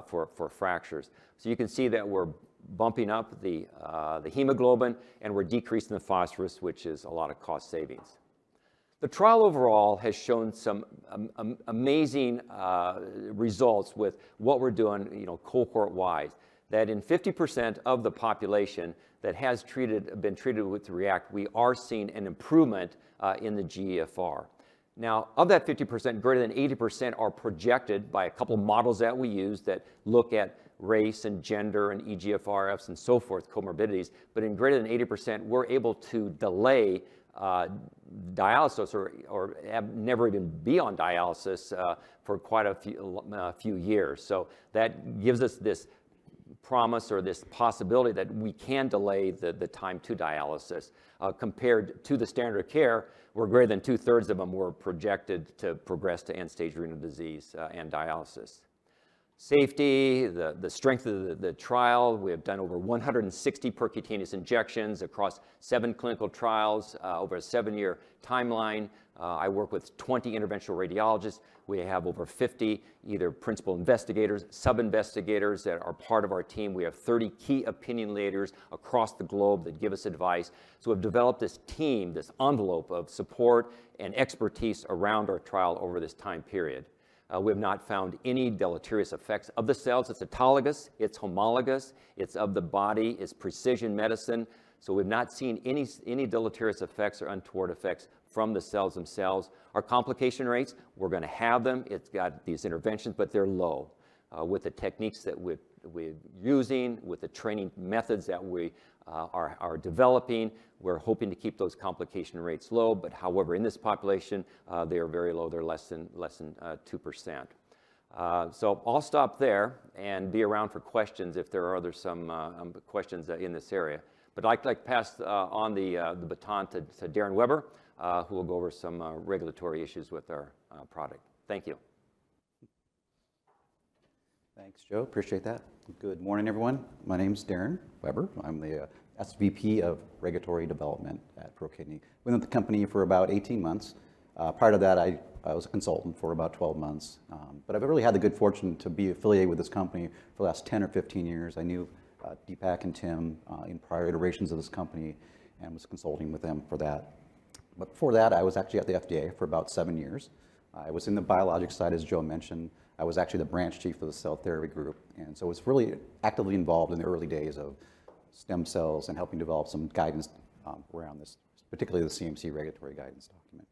for fractures. You can see that we're bumping up the hemoglobin, and we're decreasing the phosphorus, which is a lot of cost savings. The trial overall has shown some amazing results with what we're doing, cohort-wise. In 50% of the population that has been treated with REACT, we are seeing an improvement in the GFR. Now, of that 50%, greater than 80% are projected by a couple models that we use that look at race and gender and eGFRs and so forth, comorbidities. In greater than 80%, we're able to delay dialysis or never even be on dialysis for quite a few years. That gives us this promise or this possibility that we can delay the time to dialysis. Compared to the standard of care, where greater than two-thirds of them were projected to progress to end-stage renal disease and dialysis. Safety, the strength of the trial. We have done over 160 percutaneous injections across seven clinical trials over a seven-year timeline. I work with 20 interventional radiologists. We have over 50 either principal investigator, sub-investigators that are part of our team. We have 30 key opinion leaders across the globe that give us advice. We've developed this team, this envelope of support and expertise around our trial over this time period. We have not found any deleterious effects of the cells. It's autologous, it's homologous, it's of the body, it's precision medicine. We've not seen any deleterious effects or untoward effects from the cells themselves. Our complication rates, we're gonna have them. It's got these interventions, but they're low. With the techniques that we're using, with the training methods that we are developing, we're hoping to keep those complication rates low. However, in this population, they are very low. They're less than 2%. I'll stop there and be around for questions if there are other questions in this area. I'd like to pass on the baton to Darin, who will go over some regulatory issues with our product. Thank you. Thanks, Joe. Appreciate that. Good morning, everyone. My name is Darin Weber. I'm the SVP of Regulatory Development at ProKidney. Been with the company for about 18 months. Prior to that, I was a consultant for about 12 months. But I've really had the good fortune to be affiliated with this company for the last 10 or 15 years. I knew Deepak and Tim in prior iterations of this company and was consulting with them for that. Before that, I was actually at the FDA for about seven years. I was in the biologic side, as Joe mentioned. I was actually the branch chief of the cell therapy group, and so was really actively involved in the early days of stem cells and helping develop some guidance around this, particularly the CMC regulatory guidance document.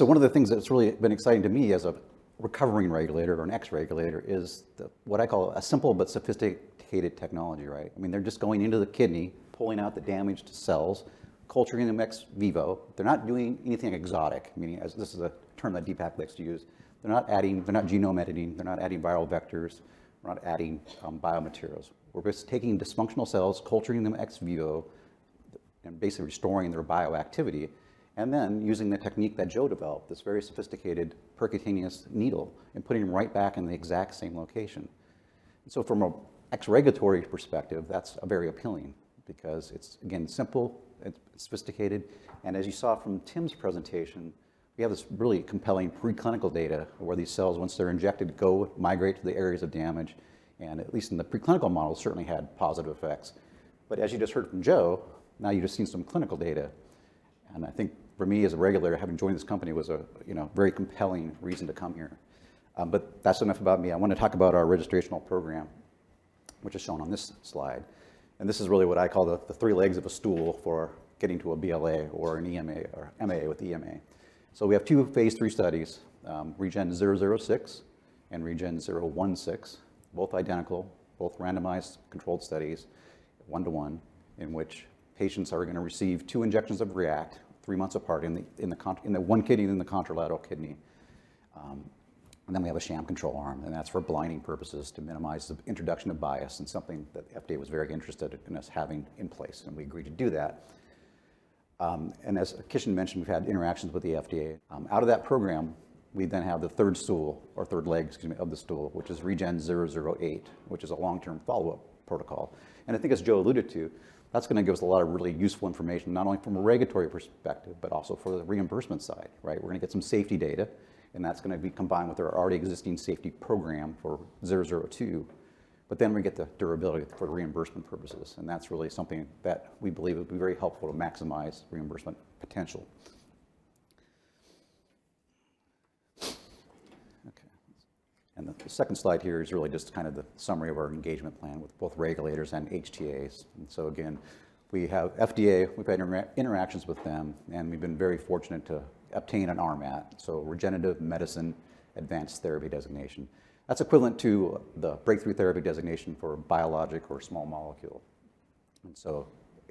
One of the things that's really been exciting to me as a recovering regulator or an ex-regulator is what I call a simple but sophisticated technology, right? I mean, they're just going into the kidney, pulling out the damaged cells, culturing them ex vivo. They're not doing anything exotic, meaning this is a term that Deepak likes to use. They're not genome editing. They're not adding viral vectors. They're not adding biomaterials. We're just taking dysfunctional cells, culturing them ex vivo, and basically restoring their bioactivity, and then using the technique that Joe developed, this very sophisticated percutaneous needle, and putting them right back in the exact same location. From an ex-regulatory perspective, that's very appealing because it's, again, simple, it's sophisticated. As you saw from Tim's presentation, we have this really compelling preclinical data where these cells, once they're injected, go migrate to the areas of damage, and at least in the preclinical models, certainly had positive effects. As you just heard from Joe, now you've just seen some clinical data, and I think for me as a regulator, having joined this company was a, very compelling reason to come here. That's enough about me. I wanna talk about our registrational program, which is shown on this slide, and this is really what I call the three legs of a stool for getting to a BLA or an EMA or MAA with EMA. We have two Phase III studies, REGEN-006 and REGEN-016, both identical, both randomized controlled studies, one-to-one, in which patients are gonna receive two injections of REACT three months apart in the one kidney then the contralateral kidney. We have a sham control arm, and that's for blinding purposes to minimize the introduction of bias and something that FDA was very interested in us having in place, and we agreed to do that. As Kishan mentioned, we've had interactions with the FDA. Out of that program, we then have the third leg of the stool, which is REGEN-008, which is a long-term follow-up protocol. I think as Joe alluded to, that's gonna give us a lot of really useful information, not only from a regulatory perspective, but also for the reimbursement side, right? We're gonna get some safety data, and that's gonna be combined with our already existing safety program for zero zero two, but then we get the durability for reimbursement purposes, and that's really something that we believe will be very helpful to maximize reimbursement potential. Okay. The second slide here is really just kind of the summary of our engagement plan with both regulators and HTAs. Again, we have FDA, we've had interactions with them, and we've been very fortunate to obtain an RMAT, so Regenerative Medicine Advanced Therapy designation. That's equivalent to the breakthrough therapy designation for biologic or small molecule.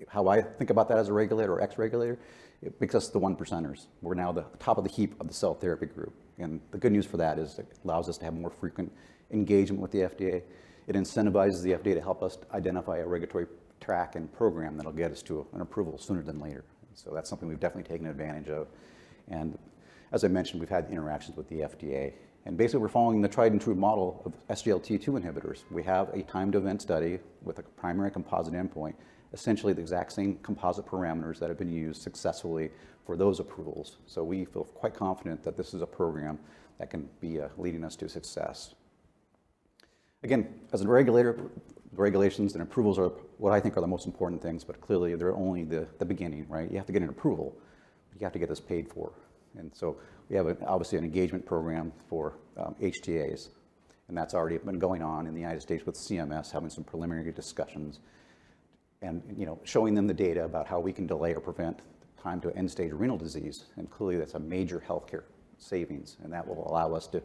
How I think about that as a regulator or ex-regulator, it makes us the one percenter. We're now the top of the heap of the cell therapy group. The good news for that is it allows us to have more frequent engagement with the FDA. It incentivizes the FDA to help us identify a regulatory track and program that'll get us to an approval sooner than later. That's something we've definitely taken advantage of. As I mentioned, we've had interactions with the FDA. Basically, we're following the tried-and-true model of SGLT2 inhibitors. We have a time-to-event study with a primary composite endpoint, essentially the exact same composite parameters that have been used successfully for those approvals. We feel quite confident that this is a program that can be leading us to success. Again, as a regulator, regulations and approvals are what I think are the most important things, but clearly, they're only the beginning, right? You have to get an approval, but you have to get this paid for. We have obviously an engagement program for HTAs, and that's already been going on in the United States with CMS having some preliminary discussions and, showing them the data about how we can delay or prevent time to end-stage renal disease. Clearly, that's a major healthcare savings, and that will allow us to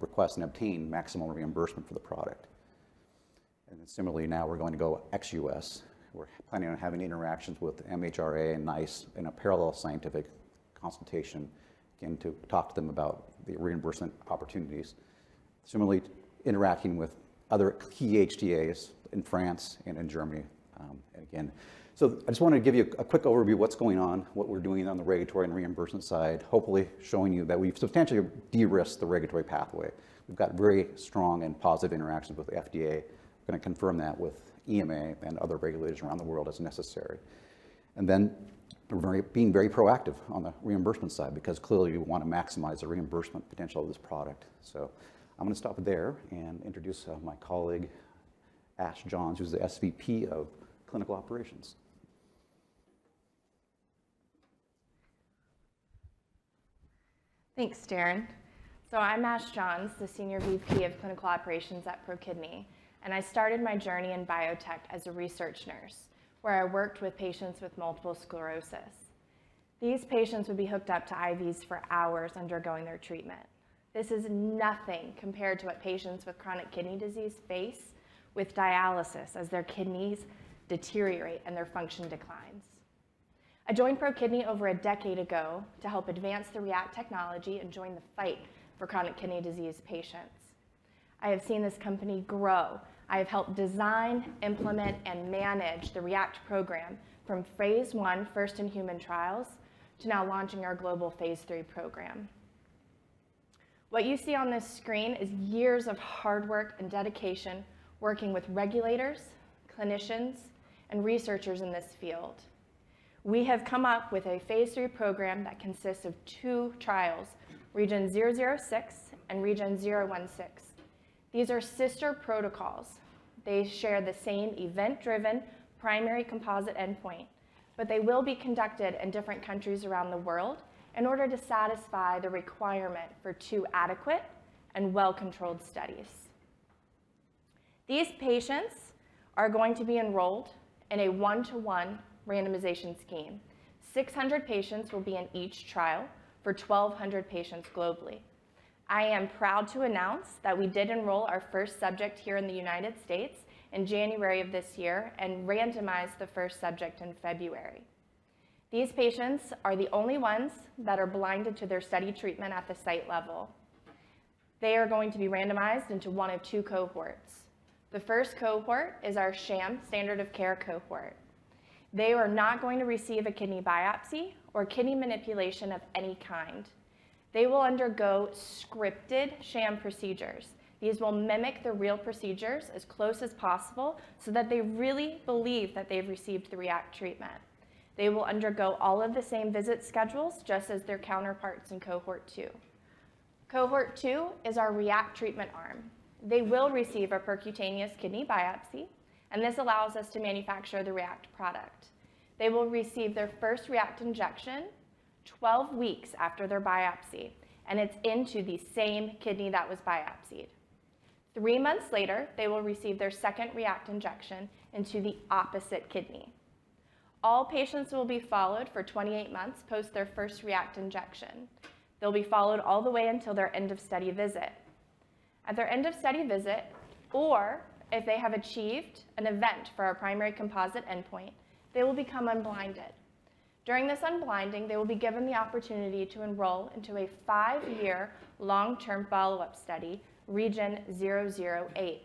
request and obtain maximum reimbursement for the product. Similarly, now we're going to go ex-U.S. We're planning on having interactions with MHRA and NICE in a parallel scientific consultation and to talk to them about the reimbursement opportunities. Similarly, interacting with other key HTAs in France and in Germany again. I just wanted to give you a quick overview of what's going on, what we're doing on the regulatory and reimbursement side, hopefully showing you that we've substantially de-risked the regulatory pathway. We've got very strong and positive interactions with FDA. We're going to confirm that with EMA and other regulators around the world as necessary. We're being very proactive on the reimbursement side because clearly, we want to maximize the reimbursement potential of this product. I'm going to stop there and introduce my colleague, Ashley Johns, who's the SVP of Clinical Operations. Thanks, Darin. I'm Ashley Johns, the Senior VP of Clinical Operations at ProKidney, and I started my journey in biotech as a research nurse, where I worked with patients with multiple sclerosis. These patients would be hooked up to IVs for hours undergoing their treatment. This is nothing compared to what patients with chronic kidney disease face with dialysis as their kidneys deteriorate and their function declines. I joined ProKidney over a decade ago to help advance the REACT technology and join the fight for chronic kidney disease patients. I have seen this company grow. I have helped design, implement, and manage the REACT program from Phase I first-in-human trials to now launching our global Phase III program. What you see on this screen is years of hard work and dedication working with regulators, clinicians, and researchers in this field. We have come up with a Phase III program that consists of two trials, REGEN-006 and REGEN-016. These are sister protocols. They share the same event-driven primary composite endpoint, but they will be conducted in different countries around the world in order to satisfy the requirement for two adequate and well-controlled studies. These patients are going to be enrolled in a one-to-one randomization scheme. 600 patients will be in each trial for 1,200 patients globally. I am proud to announce that we did enroll our first subject here in the United States in January of this year and randomized the first subject in February. These patients are the only ones that are blinded to their study treatment at the site level. They are going to be randomized into one of two cohorts. The first cohort is our sham standard-of-care cohort. They are not going to receive a kidney biopsy or kidney manipulation of any kind. They will undergo scripted sham procedures. These will mimic the real procedures as close as possible so that they really believe that they've received the REACT treatment. They will undergo all of the same visit schedules just as their counterparts in cohort two. Cohort two is our REACT treatment arm. They will receive a percutaneous kidney biopsy, and this allows us to manufacture the REACT product. They will receive their first REACT injection 12 weeks after their biopsy, and it's into the same kidney that was biopsied. Three months later, they will receive their second REACT injection into the opposite kidney. All patients will be followed for 28 months post their first REACT injection. They'll be followed all the way until their end-of-study visit. At their end-of-study visit, or if they have achieved an event for our primary composite endpoint, they will become unblinded. During this unblinding, they will be given the opportunity to enroll into a five-year long-term follow-up study, REGEN-008.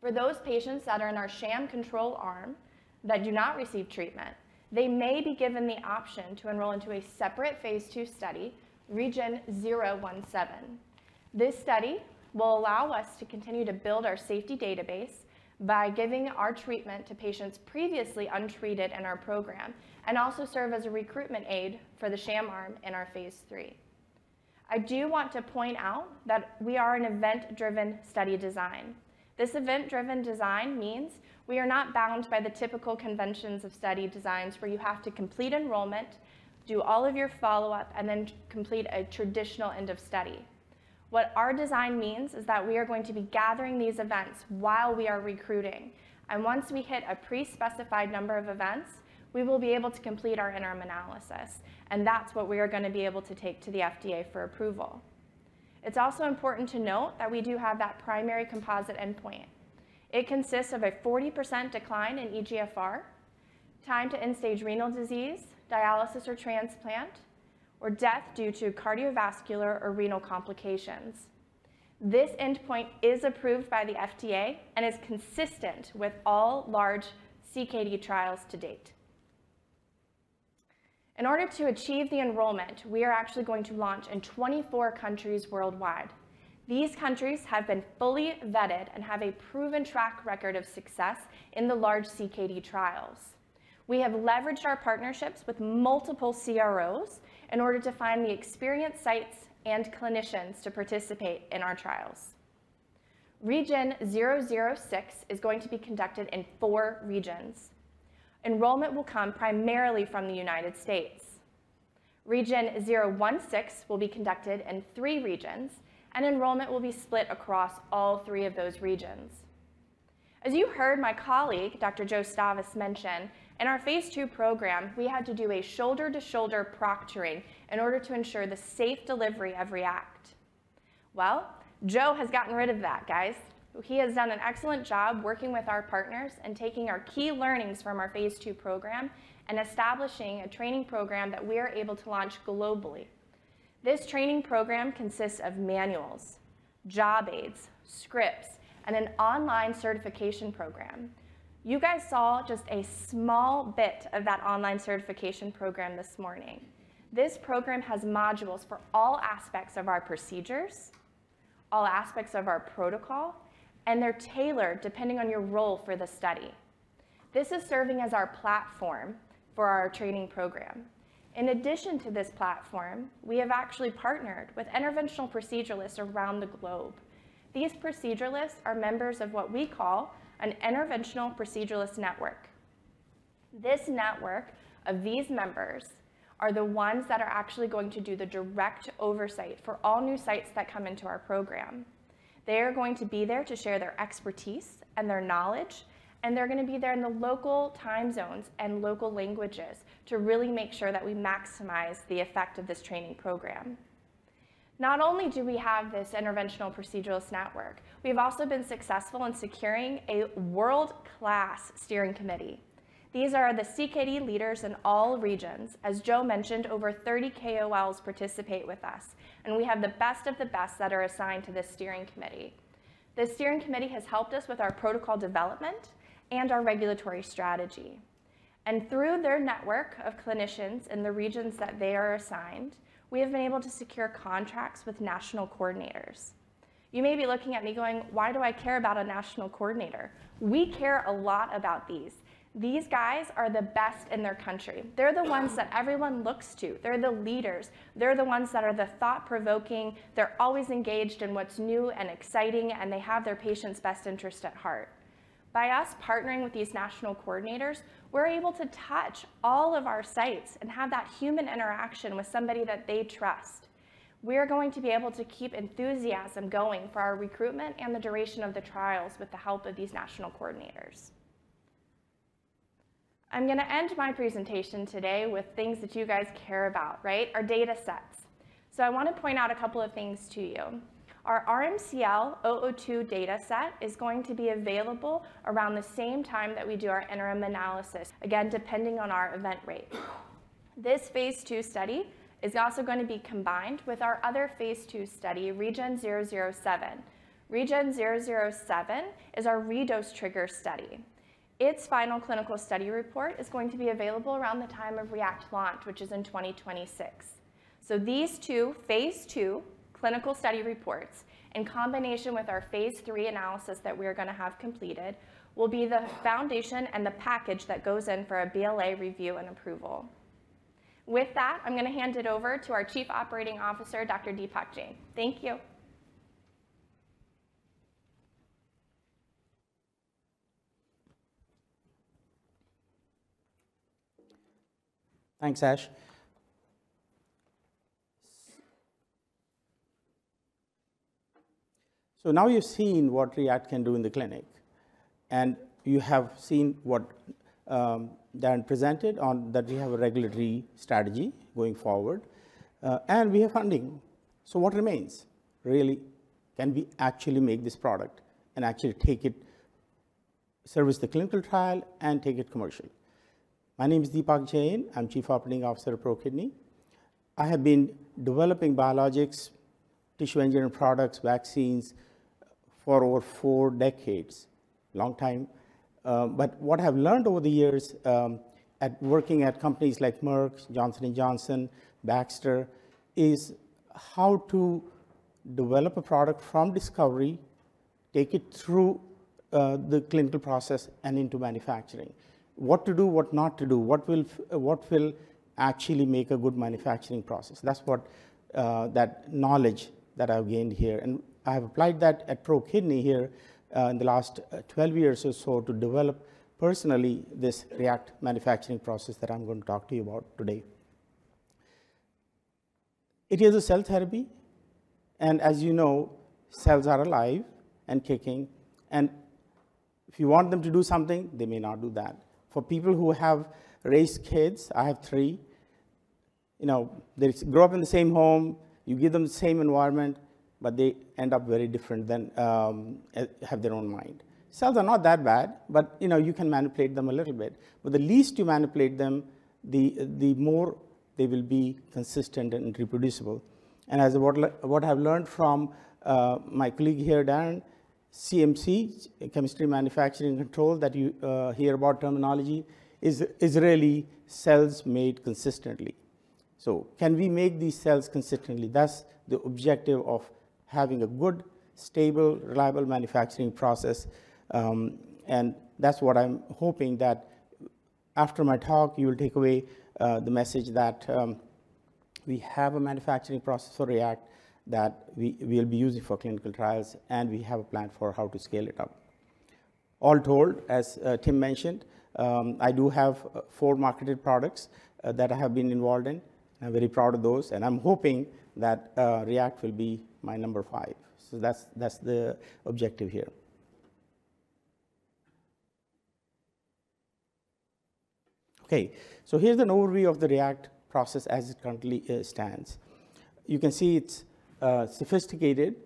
For those patients that are in our sham control arm that do not receive treatment, they may be given the option to enroll into a separate Phase II study, REGEN-017. This study will allow us to continue to build our safety database by giving our treatment to patients previously untreated in our program and also serve as a recruitment aid for the sham arm in our Phase III. I do want to point out that we are an event-driven study design. This event-driven design means we are not bound by the typical conventions of study designs where you have to complete enrollment, do all of your follow-up, and then complete a traditional end-of-study. What our design means is that we are going to be gathering these events while we are recruiting, and once we hit a pre-specified number of events, we will be able to complete our interim analysis, and that's what we are going to be able to take to the FDA for approval. It's also important to note that we do have that primary composite endpoint. It consists of a 40% decline in eGFR, time to end-stage renal disease, dialysis or transplant, or death due to cardiovascular or renal complications. This endpoint is approved by the FDA and is consistent with all large CKD trials to date. In order to achieve the enrollment, we are actually going to launch in 24 countries worldwide. These countries have been fully vetted and have a proven track record of success in the large CKD trials. We have leveraged our partnerships with multiple CROs in order to find the experienced sites and clinicians to participate in our trials. REGEN-006 is going to be conducted in four regions. Enrollment will come primarily from the United States. REGEN-016 will be conducted in three regions, and enrollment will be split across all three of those regions. As you heard my colleague, Dr. Joe Stavas mention, in our Phase II program, we had to do a shoulder-to-shoulder proctoring in order to ensure the safe delivery of REACT. Well, Joe has gotten rid of that, guys. He has done an excellent job working with our partners and taking our key learnings from our Phase II program and establishing a training program that we are able to launch globally. This training program consists of manuals, job aids, scripts, and an online certification program. You guys saw just a small bit of that online certification program this morning. This program has modules for all aspects of our procedures, all aspects of our protocol, and they're tailored depending on your role for the study. This is serving as our platform for our training program. In addition to this platform, we have actually partnered with interventional proceduralists around the globe. These proceduralists are members of what we call an interventional proceduralist network. This network of these members are the ones that are actually going to do the direct oversight for all new sites that come into our program. They are going to be there to share their expertise and their knowledge, and they're gonna be there in the local time zones and local languages to really make sure that we maximize the effect of this training program. Not only do we have this interventional proceduralist network, we've also been successful in securing a world-class steering committee. These are the CKD leaders in all regions. As Joe mentioned, over 30 KOLs participate with us, and we have the best of the best that are assigned to this steering committee. The steering committee has helped us with our protocol development and our regulatory strategy. Through their network of clinicians in the regions that they are assigned, we have been able to secure contracts with national coordinators. You may be looking at me going, "Why do I care about a national coordinator?" We care a lot about these. These guys are the best in their country. They're the ones that everyone looks to. They're the leaders. They're the ones that are the thought-provoking. They're always engaged in what's new and exciting, and they have their patients' best interest at heart. By us partnering with these national coordinators, we're able to touch all of our sites and have that human interaction with somebody that they trust. We are going to be able to keep enthusiasm going for our recruitment and the duration of the trials with the help of these national coordinators. I'm gonna end my presentation today with things that you guys' care about, right? Our data sets. I wanna point out a couple of things to you. Our RMCL-002 data set is going to be available around the same time that we do our interim analysis, again, depending on our event rate. This Phase II study is also gonna be combined with our other Phase II study, REGEN-007. REGEN-007 is our redose trigger study. Its final clinical study report is going to be available around the time of REACT launch, which is in 2026. These two Phase II clinical study reports, in combination with our Phase III analysis that we are gonna have completed, will be the foundation and the package that goes in for a BLA review and approval. With that, I'm gonna hand it over to our chief operating officer, Dr. Deepak Jain. Thank you. Thanks, Ashley. Now you've seen what REACT can do in the clinic, and you have seen what Dan presented on that we have a regulatory strategy going forward, and we have funding. What remains, really? Can we actually make this product and actually take it to service the clinical trial and take it commercial? My name is Deepak Jain. I'm Chief Operating Officer of ProKidney. I have been developing biologics, tissue engineering products, vaccines for over four decades. Long time. But what I've learned over the years, from working at companies like Merck, Johnson & Johnson, Baxter, is how to develop a product from discovery, take it through the clinical process and into manufacturing. What to do, what not to do, what will actually make a good manufacturing process. That's what that knowledge that I've gained here, and I have applied that at ProKidney here in the last 12 years or so to develop personally this REACT manufacturing process that I'm going to talk to you about today. It is a cell therapy, and as you know, cells are alive and kicking, and if you want them to do something, they may not do that. For people who have raised kids, I have 3, they grow up in the same home, you give them the same environment, but they end up very different than have their own mind. Cells are not that bad, but you can manipulate them a little bit. The least you manipulate them, the more they will be consistent and reproducible. As what I've learned from my colleague here, Darren, CMC, Chemistry, Manufacturing, and Controls, that you hear about terminology, is really cells made consistently. Can we make these cells consistently? That's the objective of having a good, stable, reliable manufacturing process. That's what I'm hoping that after my talk, you will take away the message that we have a manufacturing process for React that we will be using for clinical trials, and we have a plan for how to scale it up. All told, as Tim mentioned, I do have four marketed products that I have been involved in. I'm very proud of those, and I'm hoping that React will be my number five. That's the objective here. Okay. Here's an overview of the React process as it currently stands. You can see it's sophisticated,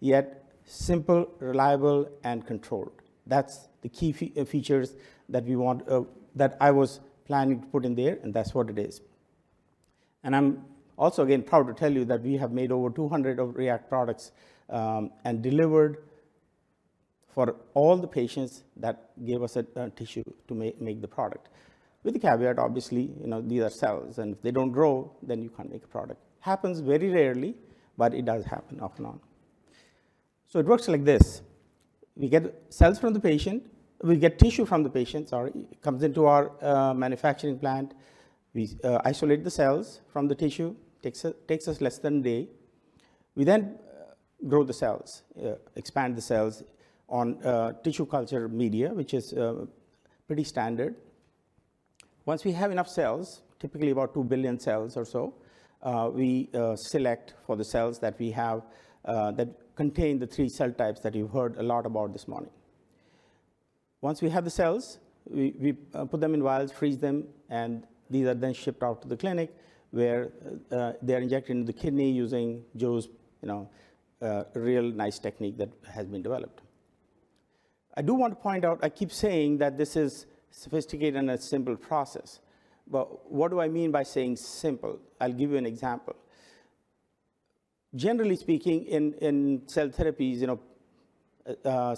yet simple, reliable, and controlled. That's the key features that we want that I was planning to put in there, and that's what it is. I'm also, again, proud to tell you that we have made over 200 REACT products and delivered for all the patients that gave us a tissue to make the product. With the caveat, obviously, these are cells, and if they don't grow, then you can't make a product. Happens very rarely, but it does happen off and on. It works like this. We get cells from the patient. We get tissue from the patient, sorry. It comes into our manufacturing plant. We isolate the cells from the tissue. Takes us less than a day. We then grow the cells, expand the cells on tissue culture media, which is pretty standard. Once we have enough cells, typically about 2 billion cells or so, we select for the cells that we have that contain the three cell types that you heard a lot about this morning. Once we have the cells, we put them in vials, freeze them, and these are then shipped out to the clinic where they're injected into the kidney using Joe's you know real nice technique that has been developed. I do want to point out; I keep saying that this is sophisticated and a simple process. What do I mean by saying simple? I'll give you an example. Generally speaking, in cell therapies,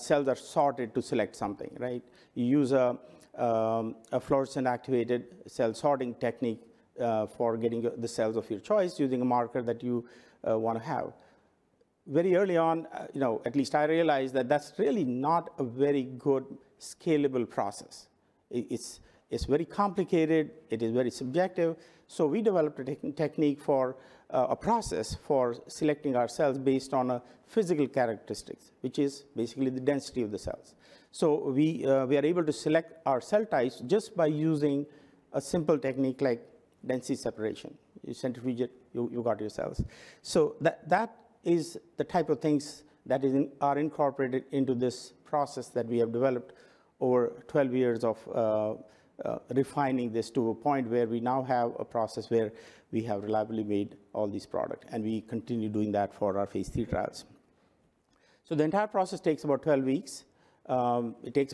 cells are sorted to select something, right? You use a fluorescent-activated cell sorting technique for getting the cells of your choice using a marker that you wanna have. Very early on, at least I realized that that's really not a very good scalable process. It's very complicated. It is very subjective. We developed a technique for a process for selecting our cells based on physical characteristics, which is basically the density of the cells. We are able to select our cell types just by using a simple technique like density separation. You centrifuge it, you got your cells. That is the type of things that are incorporated into this process that we have developed over 12 years of refining this to a point where we now have a process where we have reliably made all these products, and we continue doing that for our Phase III trials. The entire process takes about 12 weeks. It takes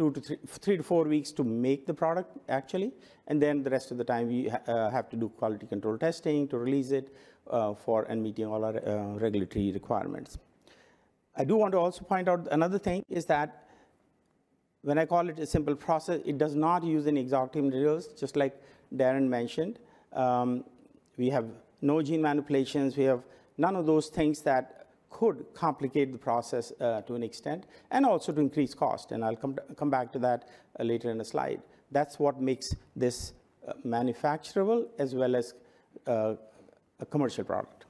about two to three to four weeks to make the product, actually. Then the rest of the time, we have to do quality control testing to release it for and meeting all our regulatory requirements. I do want to also point out another thing is that when I call it a simple process, it does not use any exotic materials, just like Darin mentioned. We have no gene manipulations. We have none of those things that could complicate the process, to an extent, and also to increase cost. I'll come back to that later in the slide. That's what makes this manufacturable as well as a commercial product.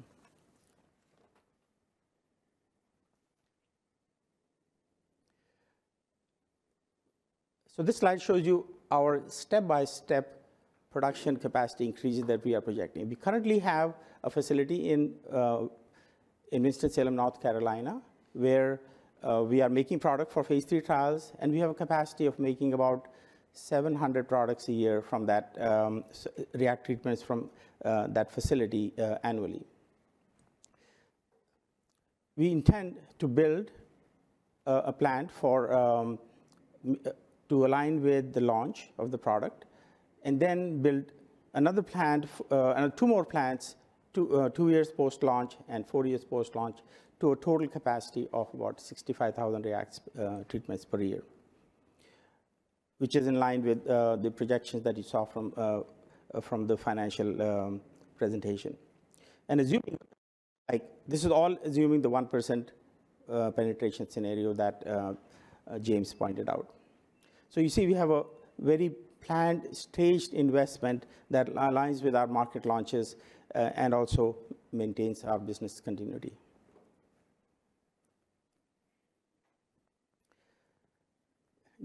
This slide shows you our step-by-step production capacity increases that we are projecting. We currently have a facility in Winston-Salem, North Carolina, where we are making product for Phase III trials, and we have a capacity of making about 700 products a year from that REACT treatments from that facility annually. We intend to build a plant to align with the launch of the product and then build another plant, two more plants, two years post-launch and four years post-launch to a total capacity of about 65,000 REACT treatments per year, which is in line with the projections that you saw from the financial presentation. Assuming, like this is all assuming the 1% penetration scenario that James pointed out. You see we have a very planned, staged investment that aligns with our market launches and also maintains our business continuity.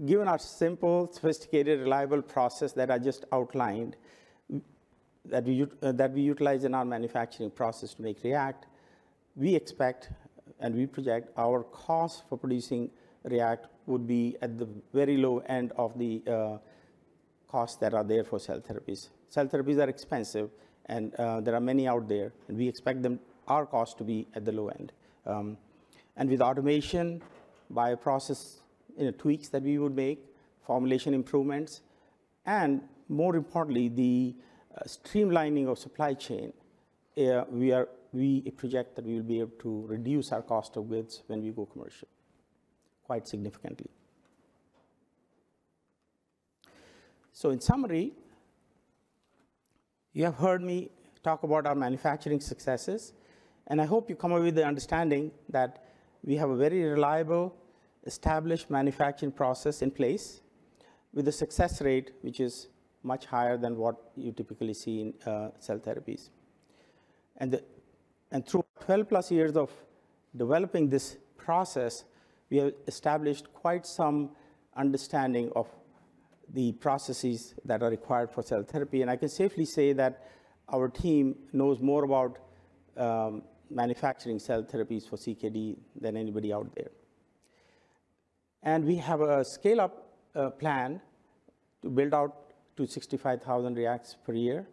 Given our simple, sophisticated, reliable process that I just outlined, that we utilize in our manufacturing process to make REACT. We expect and we project our cost for producing REACT would be at the very low end of the costs that are there for cell therapies. Cell therapies are expensive and there are many out there, and we expect our cost to be at the low end. And with automation, via a process, tweaks that we would make, formulation improvements, and more importantly, the streamlining of supply chain, we project that we will be able to reduce our cost of goods when we go commercial quite significantly. In summary, you have heard me talk about our manufacturing successes, and I hope you come away with the understanding that we have a very reliable, established manufacturing process in place with a success rate which is much higher than what you typically see in cell therapies. Through 12+ years of developing this process, we have established quite some understanding of the processes that are required for cell therapy, and I can safely say that our team knows more about manufacturing cell therapies for CKD than anybody out there. We have a scale-up plan to build out to 65,000 REACTs per year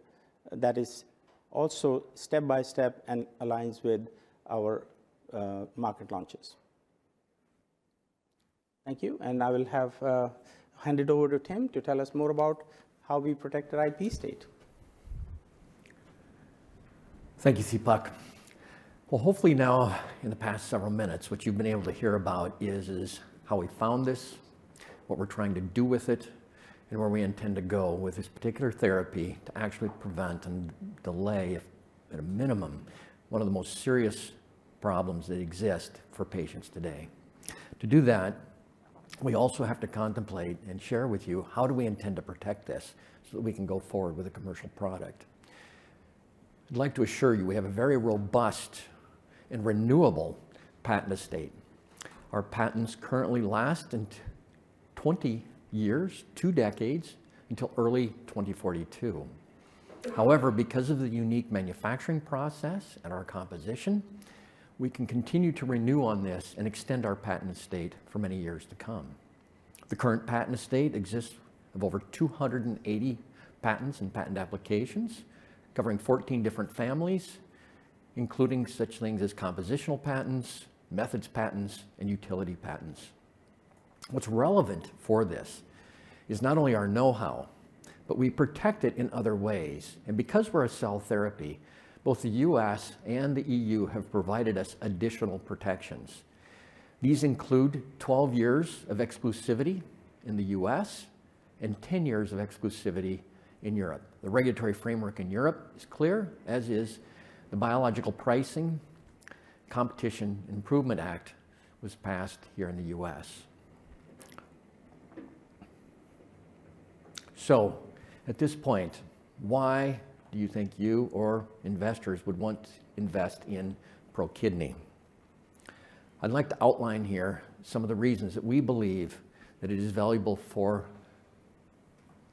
that is also step-by-step and aligns with our market launches. Thank you. I will hand it over to Tim to tell us more about how we protect our IP estate. Thank you, Deepak. Well, hopefully now in the past several minutes, what you've been able to hear about is how we found this, what we're trying to do with it, and where we intend to go with this particular therapy to actually prevent and delay at a minimum, one of the most serious problems that exist for patients today. To do that, we also have to contemplate and share with you how do we intend to protect this so that we can go forward with a commercial product. I'd like to assure you we have a very robust and renewable patent estate. Our patents currently last 20 years, 2 decades, until early 2042. However, because of the unique manufacturing process and our composition, we can continue to renew on this and extend our patent estate for many years to come. The current patent estate consists of over 280 patents and patent applications covering 14 different families, including such things as compositional patents, methods patents, and utility patents. What's relevant for this is not only our know-how, but we protect it in other ways. Because we're a cell therapy, both the U.S. and the E.U. have provided us additional protections. These include 12 years of exclusivity in the U.S. and 10 years of exclusivity in Europe. The regulatory framework in Europe is clear, as is the Biologics Price Competition and Innovation Act was passed here in the U.S. At this point, why do you think you or investors would want to invest in ProKidney? I'd like to outline here some of the reasons that we believe that it is valuable for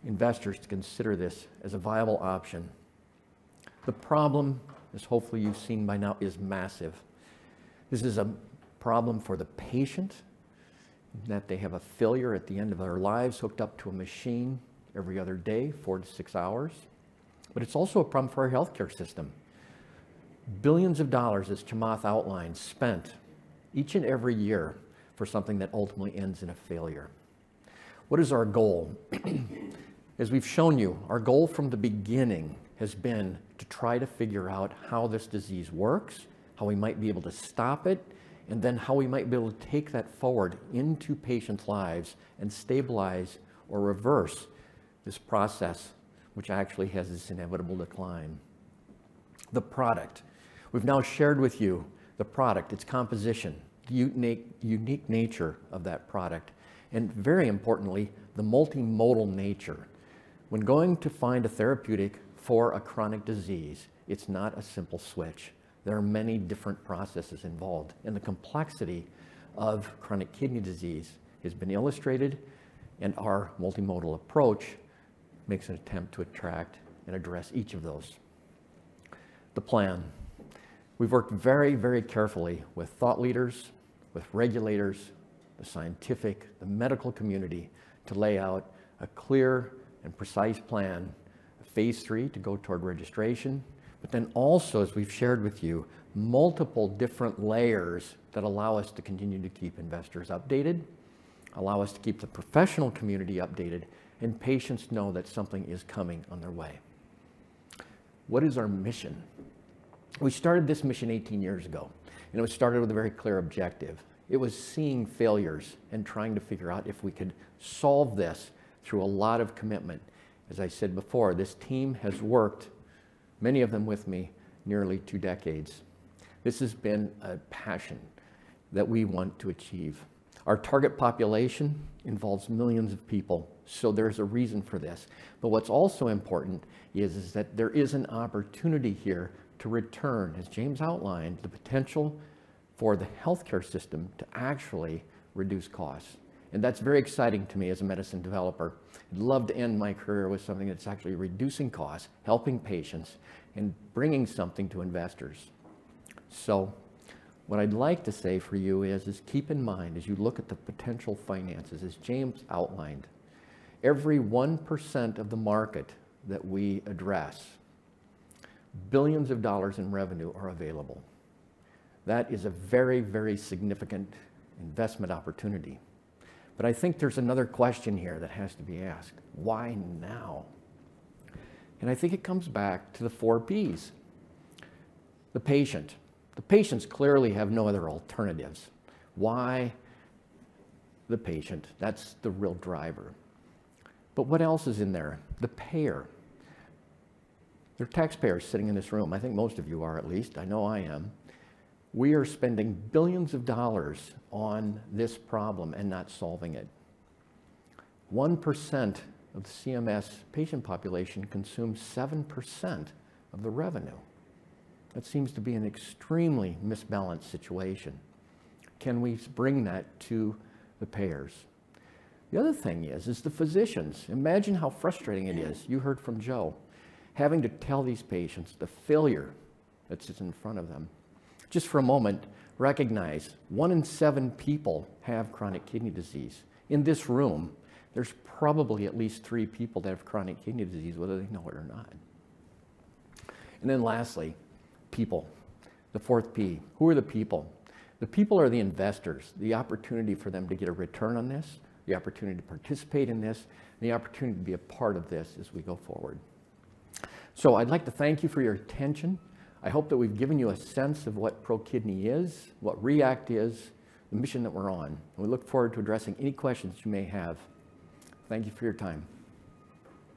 investors to consider this as a viable option. The problem, as hopefully you've seen by now, is massive. This is a problem for the patient, that they have a failure at the end of their lives hooked up to a machine every other day, 4-6 hours. It's also a problem for our healthcare system. $ Billions, as Chamath outlined, spent each and every year for something that ultimately ends in a failure. What is our goal? As we've shown you, our goal from the beginning has been to try to figure out how this disease works, how we might be able to stop it, and then how we might be able to take that forward into patients' lives and stabilize or reverse this process which actually has this inevitable decline. The product. We've now shared with you the product, its composition, unique nature of that product, and very importantly, the multimodal nature. When going to find a therapeutic for a chronic disease, it's not a simple switch. There are many different processes involved, and the complexity of chronic kidney disease has been illustrated, and our multimodal approach makes an attempt to attract and address each of those. The plan. We've worked very, very carefully with thought leaders, with regulators, the scientific, the medical community to lay out a clear and precise plan, a Phase III to go toward registration, but then also, as we've shared with you, multiple different layers that allow us to continue to keep investors updated, allow us to keep the professional community updated, and patients know that something is coming on their way. What is our mission? We started this mission 18 years ago, and it was started with a very clear objective. It was seeing failures and trying to figure out if we could solve this through a lot of commitment. As I said before, this team has worked, many of them with me, nearly two decades. This has been a passion that we want to achieve. Our target population involves millions of people, so there's a reason for this. But what's also important is that there is an opportunity here to return, as James outlined, the potential for the healthcare system to actually reduce costs. That's very exciting to me as a medicine developer. I'd love to end my career with something that's actually reducing costs, helping patients, and bringing something to investors. What I'd like to say for you is keep in mind as you look at the potential finances, as James outlined, every 1% of the market that we address, billions of dollars in revenue are available. That is a very, very significant investment opportunity. I think there's another question here that has to be asked. Why now? I think it comes back to the four Ps. The patient. The patients clearly have no other alternatives. Why the patient? That's the real driver. What else is in there? The payer. There are taxpayers sitting in this room. I think most of you are, at least. I know I am. We are spending billions of dollars on this problem and not solving it. 1% of the CMS patient population consumes 7% of the revenue. That seems to be an extremely misbalanced situation. Can we bring that to the payers? The other thing is the physicians. Imagine how frustrating it is. You heard from Joe. Having to tell these patients the failure that sits in front of them. Just for a moment, recognize one in seven people have chronic kidney disease. In this room, there's probably at least three people that have chronic kidney disease, whether they know it or not. Lastly, people, the fourth P. Who are the people? The people are the investors. The opportunity for them to get a return on this, the opportunity to participate in this, and the opportunity to be a part of this as we go forward. I'd like to thank you for your attention. I hope that we've given you a sense of what ProKidney is, what REACT is, the mission that we're on, and we look forward to addressing any questions you may have. Thank you for your time.